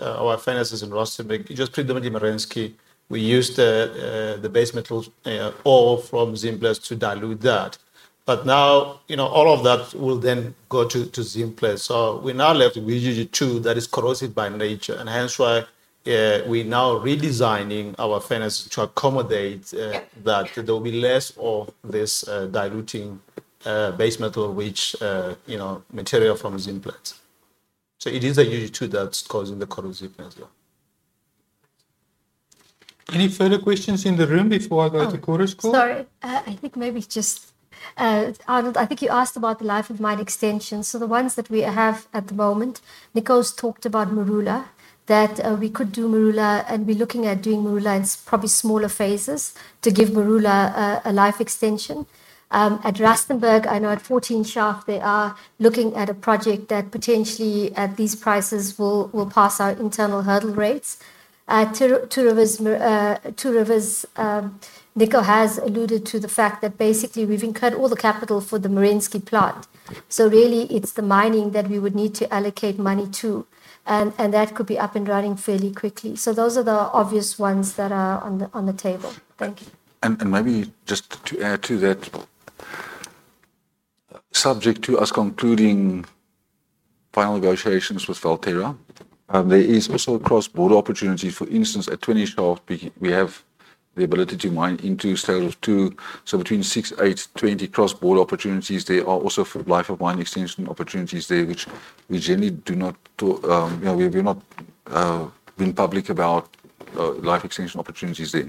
our furnaces in Rustenburg, it was predominantly Merensky. We used the base metal ore from Zimplats to dilute that. Now, all of that will then go to Zimplats. We're now left with UG2 that is corrosive by nature, which is why we're now redesigning our furnace to accommodate that. There will be less of this diluting base metal rich material from Zimplats. It is the UG2 that's causing the corrosiveness. Any further questions in the room before I go to Chorus Call? I think maybe just, Arnold, I think you asked about the life-of-mine extension. The ones that we have at the moment, Nico's talked about Marula, that we could do Marula and be looking at doing Marula in probably smaller phases to give Marula a life extension. At Rustenburg, I know at 14 Shaft, they are looking at a project that potentially at these prices will pass our internal hurdle rates. Two Rivers, Nico has alluded to the fact that basically we've incurred all the capital for the Merensky plot. Really, it's the mining that we would need to allocate money to, and that could be up and running fairly quickly. Those are the obvious ones that are on the table. Thank you. Maybe just to add to that, subject to us concluding final negotiations with Valterra, there is also a cross-border opportunity. For instance, at 20 Shaft, we have the ability to mine into cell two. Between 6, 8, 20 cross-border opportunities, there are also life-of-mine extension opportunities there, which we generally do not talk about. We've not been public about life extension opportunities there.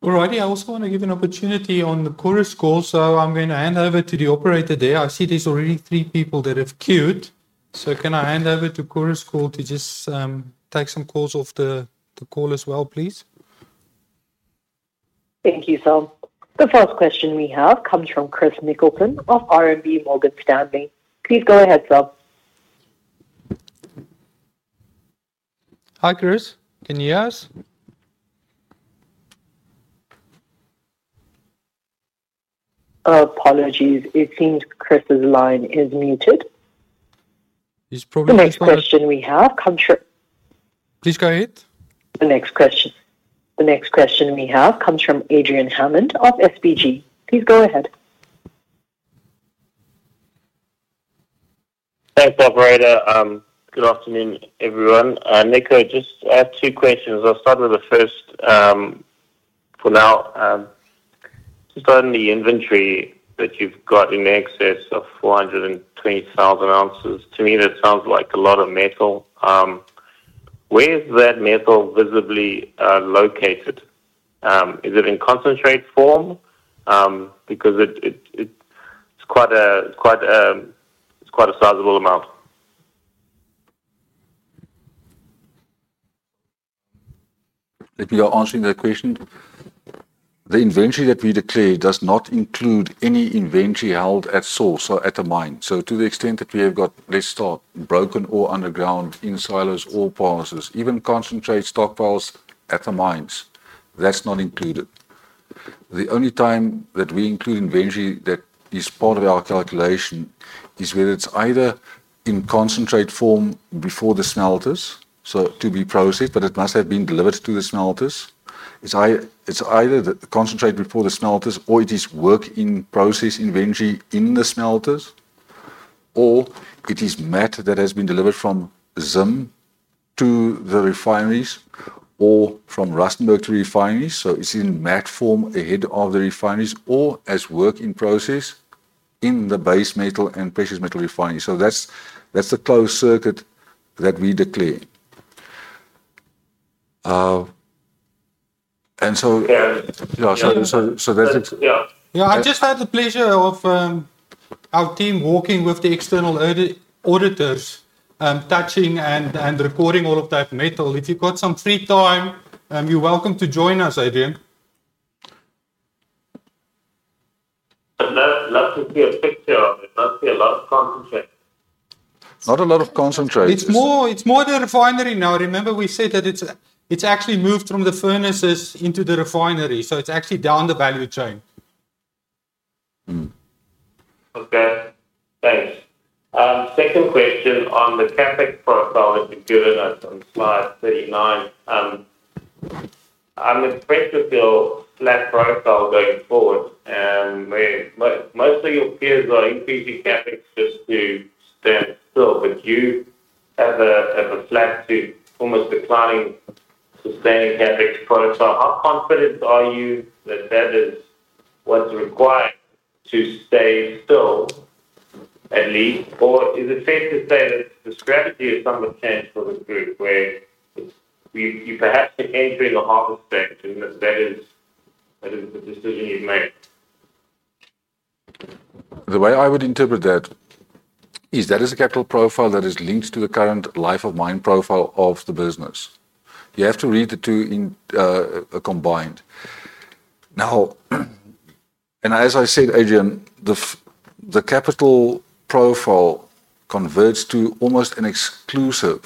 All righty. I also want to give an opportunity on the Chorus Call. I'm going to hand over to the operator there. I see there's already three people that have queued. Can I hand over to Chorus Call to just take some calls off the call as well, please? Thank you, sir. The first question we have comes from Chris Nicholson of RMB Morgan Stanley. Please go ahead, sir. Hi, Chris. Can you hear us? Apologies. It seems Chris' line is muted. The next question we have comes. Please go ahead. The next question we have comes from Adrian Hammond of SBG. Please go ahead. Thanks, operator. Good afternoon, everyone. Nico, just two questions. I'll start with the first for now. Just on the inventory that you've got in excess of 420,000 oz, to me, that sounds like a lot of metal. Where is that metal visibly located? Is it in concentrate form? Because it's quite a sizable amount. If you're answering that question, the inventory that we declare does not include any inventory held at source, so at the mine. To the extent that we have got less stock broken or underground in silos or parcels, even concentrate stockpiles at the mines, that's not included. The only time that we include inventory that is part of our calculation is whether it's either in concentrate form before the smelters, to be processed, but it must have been delivered to the smelters. It's either the concentrate before the smelters, or it is work in process inventory in the smelters, or it is matte that has been delivered from Zim to the refineries or from Rustenburg to refineries. It's in matte form ahead of the refineries or as work in process in the base metal and precious metal refineries. That's the closed circuit that we declare. I just had the pleasure of our team working with the external auditors, touching and recording all of that metal. If you've got some free time, you're welcome to join us, Adrian. That would be a picture of it. That would be a lot of concentrate. Not a lot of concentrate. It's more the refinery now. Remember, we said that it's actually moved from the furnaces into the refinery. It's actually down the value chain. Okay, thanks. Second question on the CapEx profile that you've given us on slide 39. I'm impressed with your flat profile going forward. Most of your peers are increasing CapEx just to stay still. You have a flat to almost declining sustaining CapEx profile. How confident are you that that is what's required to stay still at least? Is it safe to say that the strategy is somewhat catchy for the group where you perhaps are entering a harvest strategy and that is the decision you've made? The way I would interpret that is that is a capital profile that is linked to the current life-of-mine profile of the business. You have to read the two in combined. Now, as I said, Adrian, the capital profile converts to almost an exclusive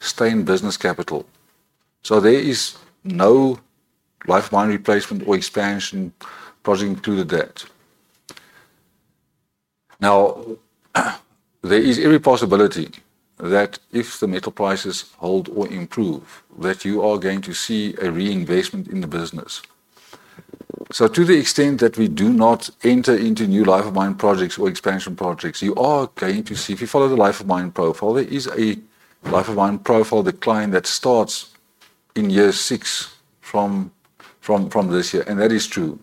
sustaining business capital. There is no life-of-mine replacement or expansion projecting to the debt. There is every possibility that if the metal prices hold or improve, you are going to see a reinvestment in the business. To the extent that we do not enter into new life-of-mine projects or expansion projects, you are going to see, if you follow the life-of-mine profile, there is a life-of-mine profile decline that starts in year six from this year. That is true.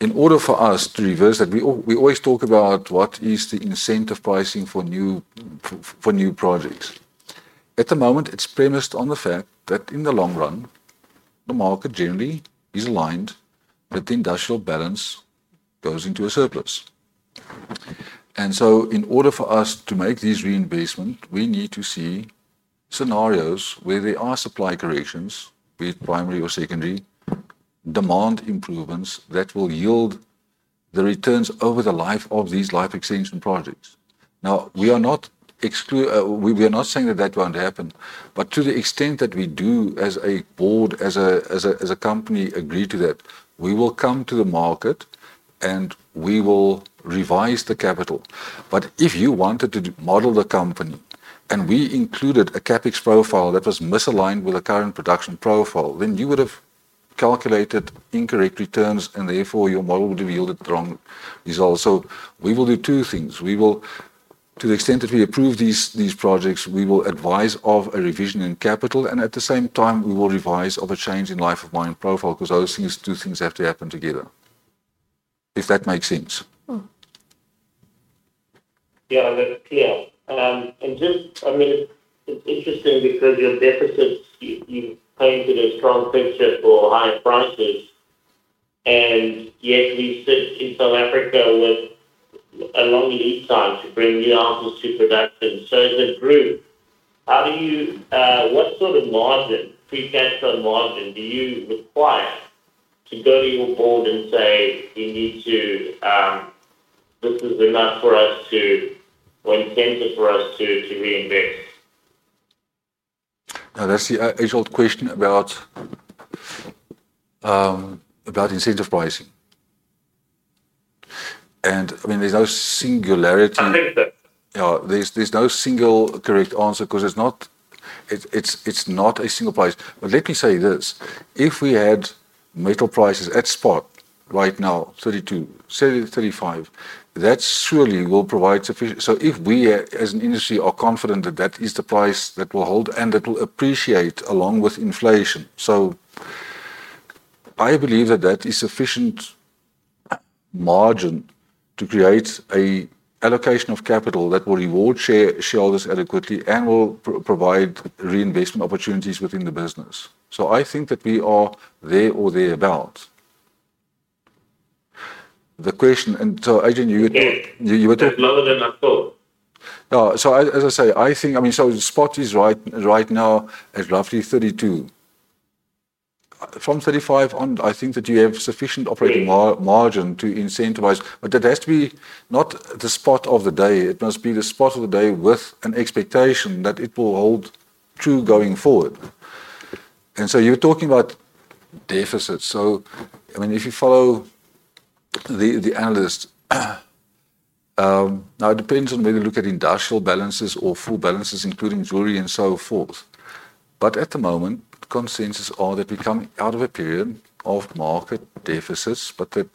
In order for us to reverse that, we always talk about what is the incentive pricing for new projects. At the moment, it's premised on the fact that in the long run, the market generally is aligned with the industrial balance going into a surplus. In order for us to make this reinvestment, we need to see scenarios where there are supply corrections, be it primary or secondary, demand improvements that will yield the returns over the life of these life extension projects. We are not excluded. We are not saying that that won't happen. To the extent that we do as a board, as a company, agree to that, we will come to the market and we will revise the capital. If you wanted to model the company and we included a CapEx profile that was misaligned with the current production profile, then you would have calculated incorrect returns and therefore your model would yield the wrong result. We will do two things. To the extent that we approve these projects, we will advise of a revision in capital and at the same time, we will advise of a change in life-of-mine profile because those two things have to happen together. If that makes sense. Yeah, that's clear. It's interesting because in the Africas, you painted a strong picture for high prices. Yet we sit in South Africa with a long lead time to bring new ounces to production. As a group, how do you, what sort of margin, pre-capital margin, do you require to go to your board and say you need to, this is enough for us to, or incentive for us to reinvest? No, that's the age-old question about incentive pricing. I mean, there's no singularity. There's no single correct answer because it's not a single price. Let me say this. If we had metal prices at spot right now, 32,000, 35,000, that surely will provide sufficient. If we as an industry are confident that that is the price that will hold and that will appreciate along with inflation, I believe that that is sufficient margin to create an allocation of capital that will reward shareholders adequately and will provide reinvestment opportunities within the business. I think that we are there or thereabout. The question, and so Adrian, you were to. No, as I say, I think, I mean, the spot is right now at roughly 32,000. From 35,000 on, I think that you have sufficient operating margin to incentivize, but that has to be not the spot of the day. It must be the spot of the day with an expectation that it will hold true going forward. You're talking about deficits. If you follow the analyst, it depends on whether you look at industrial balances or full balances, including jewelry and so forth. At the moment, consensus is that we come out of a period of market deficits, but that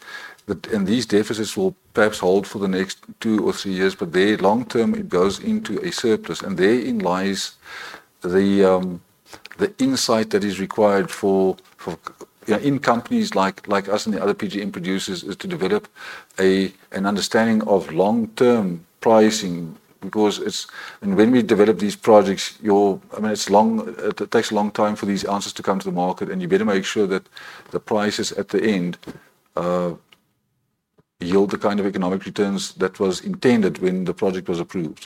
these deficits will perhaps hold for the next two or three years. There long term, it goes into a surplus. Therein lies the insight that is required for companies like us and the other PGM producers to develop an understanding of long-term pricing. When we develop these projects, it takes a long time for these answers to come to the market, and you better make sure that the prices at the end yield the kind of economic returns that were intended when the project was approved.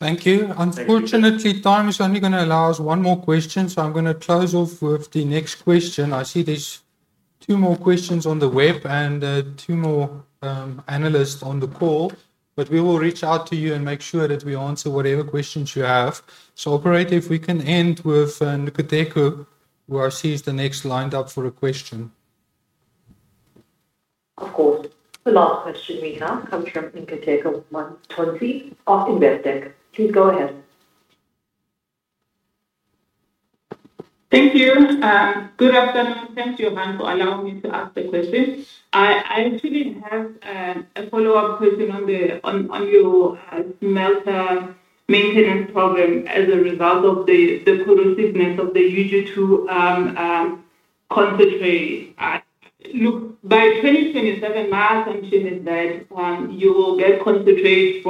Thank you. Unfortunately, time's only going to allow us one more question, so I'm going to close off with the next question. I see there's two more questions on the web and two more analysts on the call, but we will reach out to you and make sure that we answer whatever questions you have. Operator, if we can end with Nkateko, who I see is the next lined up for a question. Of course. The last question we have comes from Nkateko Mathonsi of Investec. Please go ahead. Thank you. Good afternoon. Thanks, Johan, for allowing me to ask the question. I actually have a follow-up question on your smelter maintenance problem as a result of the corrosiveness of the UG2 concentrate. By 2027, my assumption is that you will get concentrates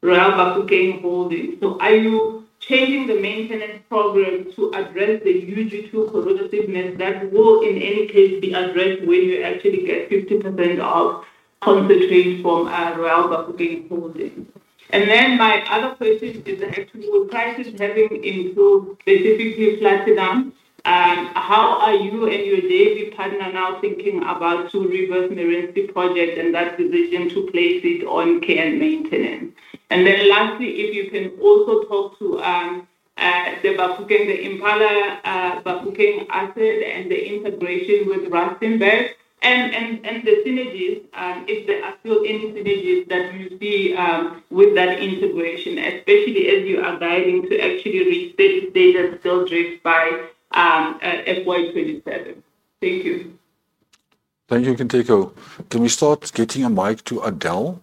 from Royal Bafokeng Holdings. Are you changing the maintenance program to address the UG2 corrosiveness that will in any case be addressed when you actually get 50% of concentrates from Royal Bafokeng Holdings? My other question is that your prices having improved, specifically flattened down, how are you and your JV partner now thinking about the reverse Merensky projects and that decision to place it on care and maintenance? Lastly, if you can also talk to the Bafokeng, the Impala Bafokeng asset and the integration with Rustenburg and the synergies, if there are still any synergies that you see with that integration, especially as you are guiding to actually reach steady state of shaft drift by FY 2027. Thank you, Nkateko. Can we start getting a mic to Adelle?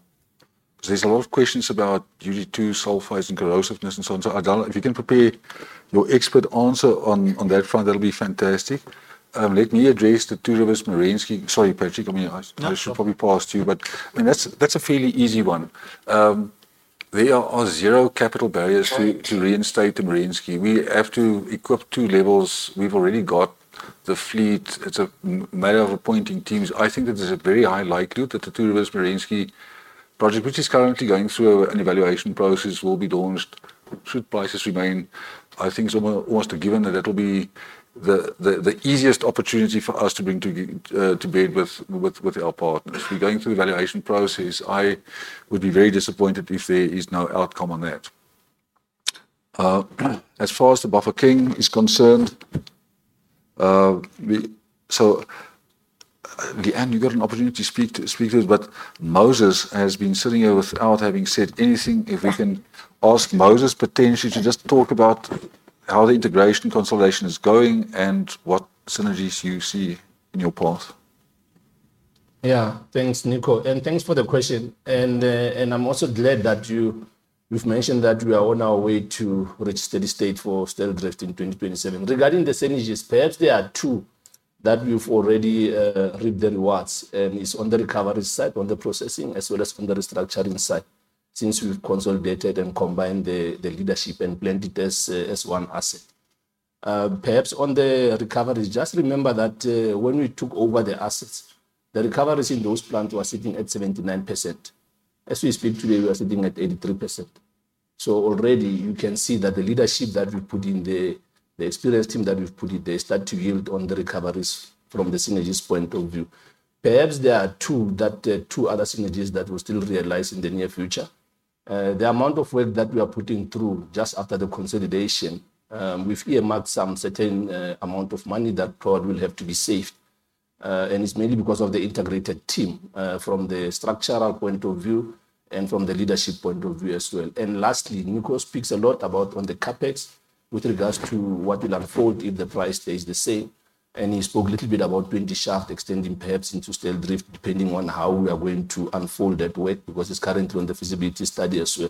There are a lot of questions about UG2, sulfides, and corrosiveness and so on. Adelle, if you can prepare your expert answer on that front, that would be fantastic. Let me address the Two Rivers Merensky. Sorry, Patrick, I mean, I should probably pass to you, but that's a fairly easy one. There are zero capital barriers to reinstate the Merensky. We have to equip two levels. We've already got the fleet. It's a matter of appointing teams. I think that there's a very high likelihood that the Two Rivers Merensky project, which is currently going through an evaluation process, will be launched should prices remain. I think it's almost a given that that will be the easiest opportunity for us to bring to bed with our partners. We're going through the valuation process. I would be very disappointed if there is no outcome on that. As far as the Bafokeng is concerned, Leanne, you got an opportunity to speak to us, but Moses has been sitting here without having said anything. If we can ask Moses potentially to just talk about how the integration consolidation is going and what synergies you see in your path. Yeah, thanks, Nico. Thanks for the question. I'm also glad that you've mentioned that we are on our way to reach steady state for cell drift in 2027. Regarding the synergies, perhaps there are two that we've already reaped the rewards. It's on the recovery side, on the processing, as well as on the restructuring side, since we've consolidated and combined the leadership and blended as one asset. Perhaps on the recovery, just remember that when we took over the assets, the recoveries in those plants were sitting at 79%. As we speak today, we are sitting at 83%. Already you can see that the leadership that we put in there, the experienced team that we've put in there, start to yield on the recoveries from the synergies point of view. Perhaps there are two other synergies that will still realize in the near future. The amount of work that we are putting through just after the consolidation, we've earmarked some certain amount of money that probably will have to be saved. It's mainly because of the integrated team from the structural point of view and from the leadership point of view as well. Lastly, Nico speaks a lot about the CapEx with regards to what will unfold if the price stays the same. He spoke a little bit about 20 Shaft extending perhaps into cell drift, depending on how we are going to unfold that work because it's currently on the feasibility study as well.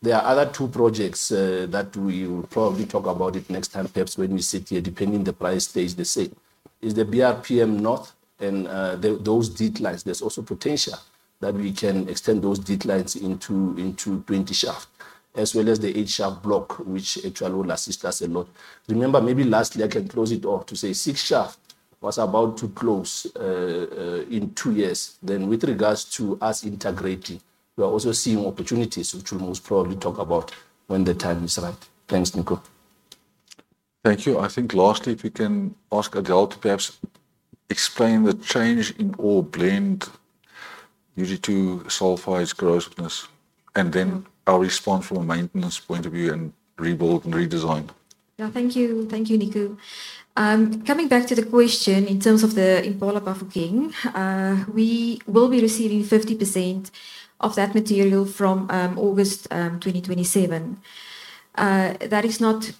There are other two projects that we'll probably talk about next time, perhaps when we sit here, depending on the price stays the same. Is the BRPM not? And those deadlines, there's also potential that we can extend those deadlines into 20 shafts, as well as the eight-shaft block, which actually will assist us a lot. Remember, maybe last year I can close it off to say six shafts was about to close, in two years. With regards to us integrating, we're also seeing opportunities which we'll most probably talk about when the time is right. Thanks, Nico. Thank you. I think lastly, if you can ask Adelle to perhaps explain the change in ore blend, usually to sulfides' corossiveness, and then our response from a maintenance point of view and rebuild and redesign. Yeah, thank you. Thank you, Nico. Coming back to the question in terms of Impala Bafokeng, we will be receiving 50% of that material from August 2027. That is not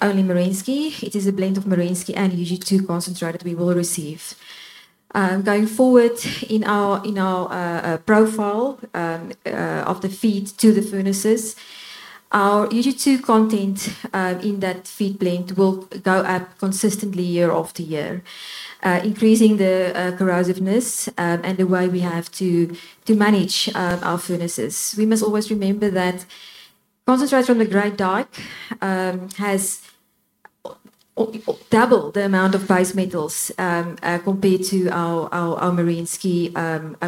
only Merensky, it is a blend of Merensky and UG2 concentrate we will receive. Going forward in our profile of the feed to the furnaces, our UG2 content in that feed blend will go up consistently year after year, increasing the corrosiveness and the way we have to manage our furnaces. We must always remember that concentrate from the Great Dyke has double the amount of base metals compared to our Merensky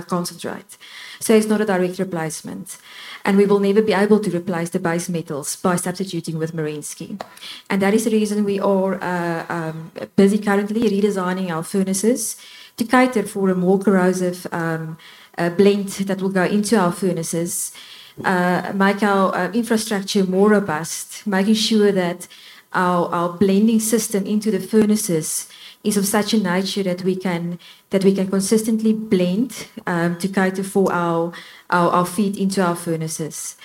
concentrate. It is not a direct replacement, and we will never be able to replace the base metals by substituting with Merensky. That is the reason we are currently redesigning our furnaces to cater for a more corrosive blend that will go into our furnaces, make our infrastructure more robust, making sure that our blending system into the furnaces is of such a nature that we can consistently blend to cater for our feed into our furnaces.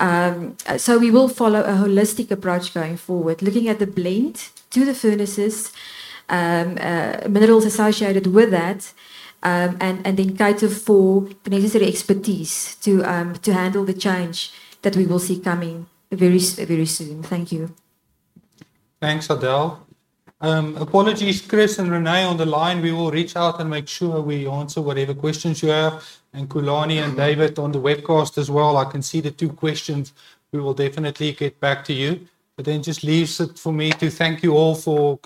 We will follow a holistic approach going forward, looking at the blend to the furnaces, minerals associated with that, and then cater for the necessary expertise to handle the change that we will see coming very, very soon. Thank you. Thanks, Adelle. Apologies, Chris and Renee on the line. We will reach out and make sure we answer whatever questions you have. Kulani and David on the webcast as well, I can see the two questions. We will definitely get back to you. Just leave it for me to thank you all for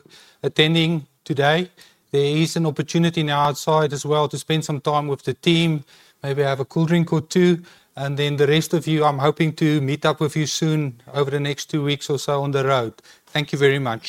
attending today. There is an opportunity now outside as well to spend some time with the team, maybe have a cool drink or two. The rest of you, I'm hoping to meet up with you soon over the next two weeks or so on the road. Thank you very much.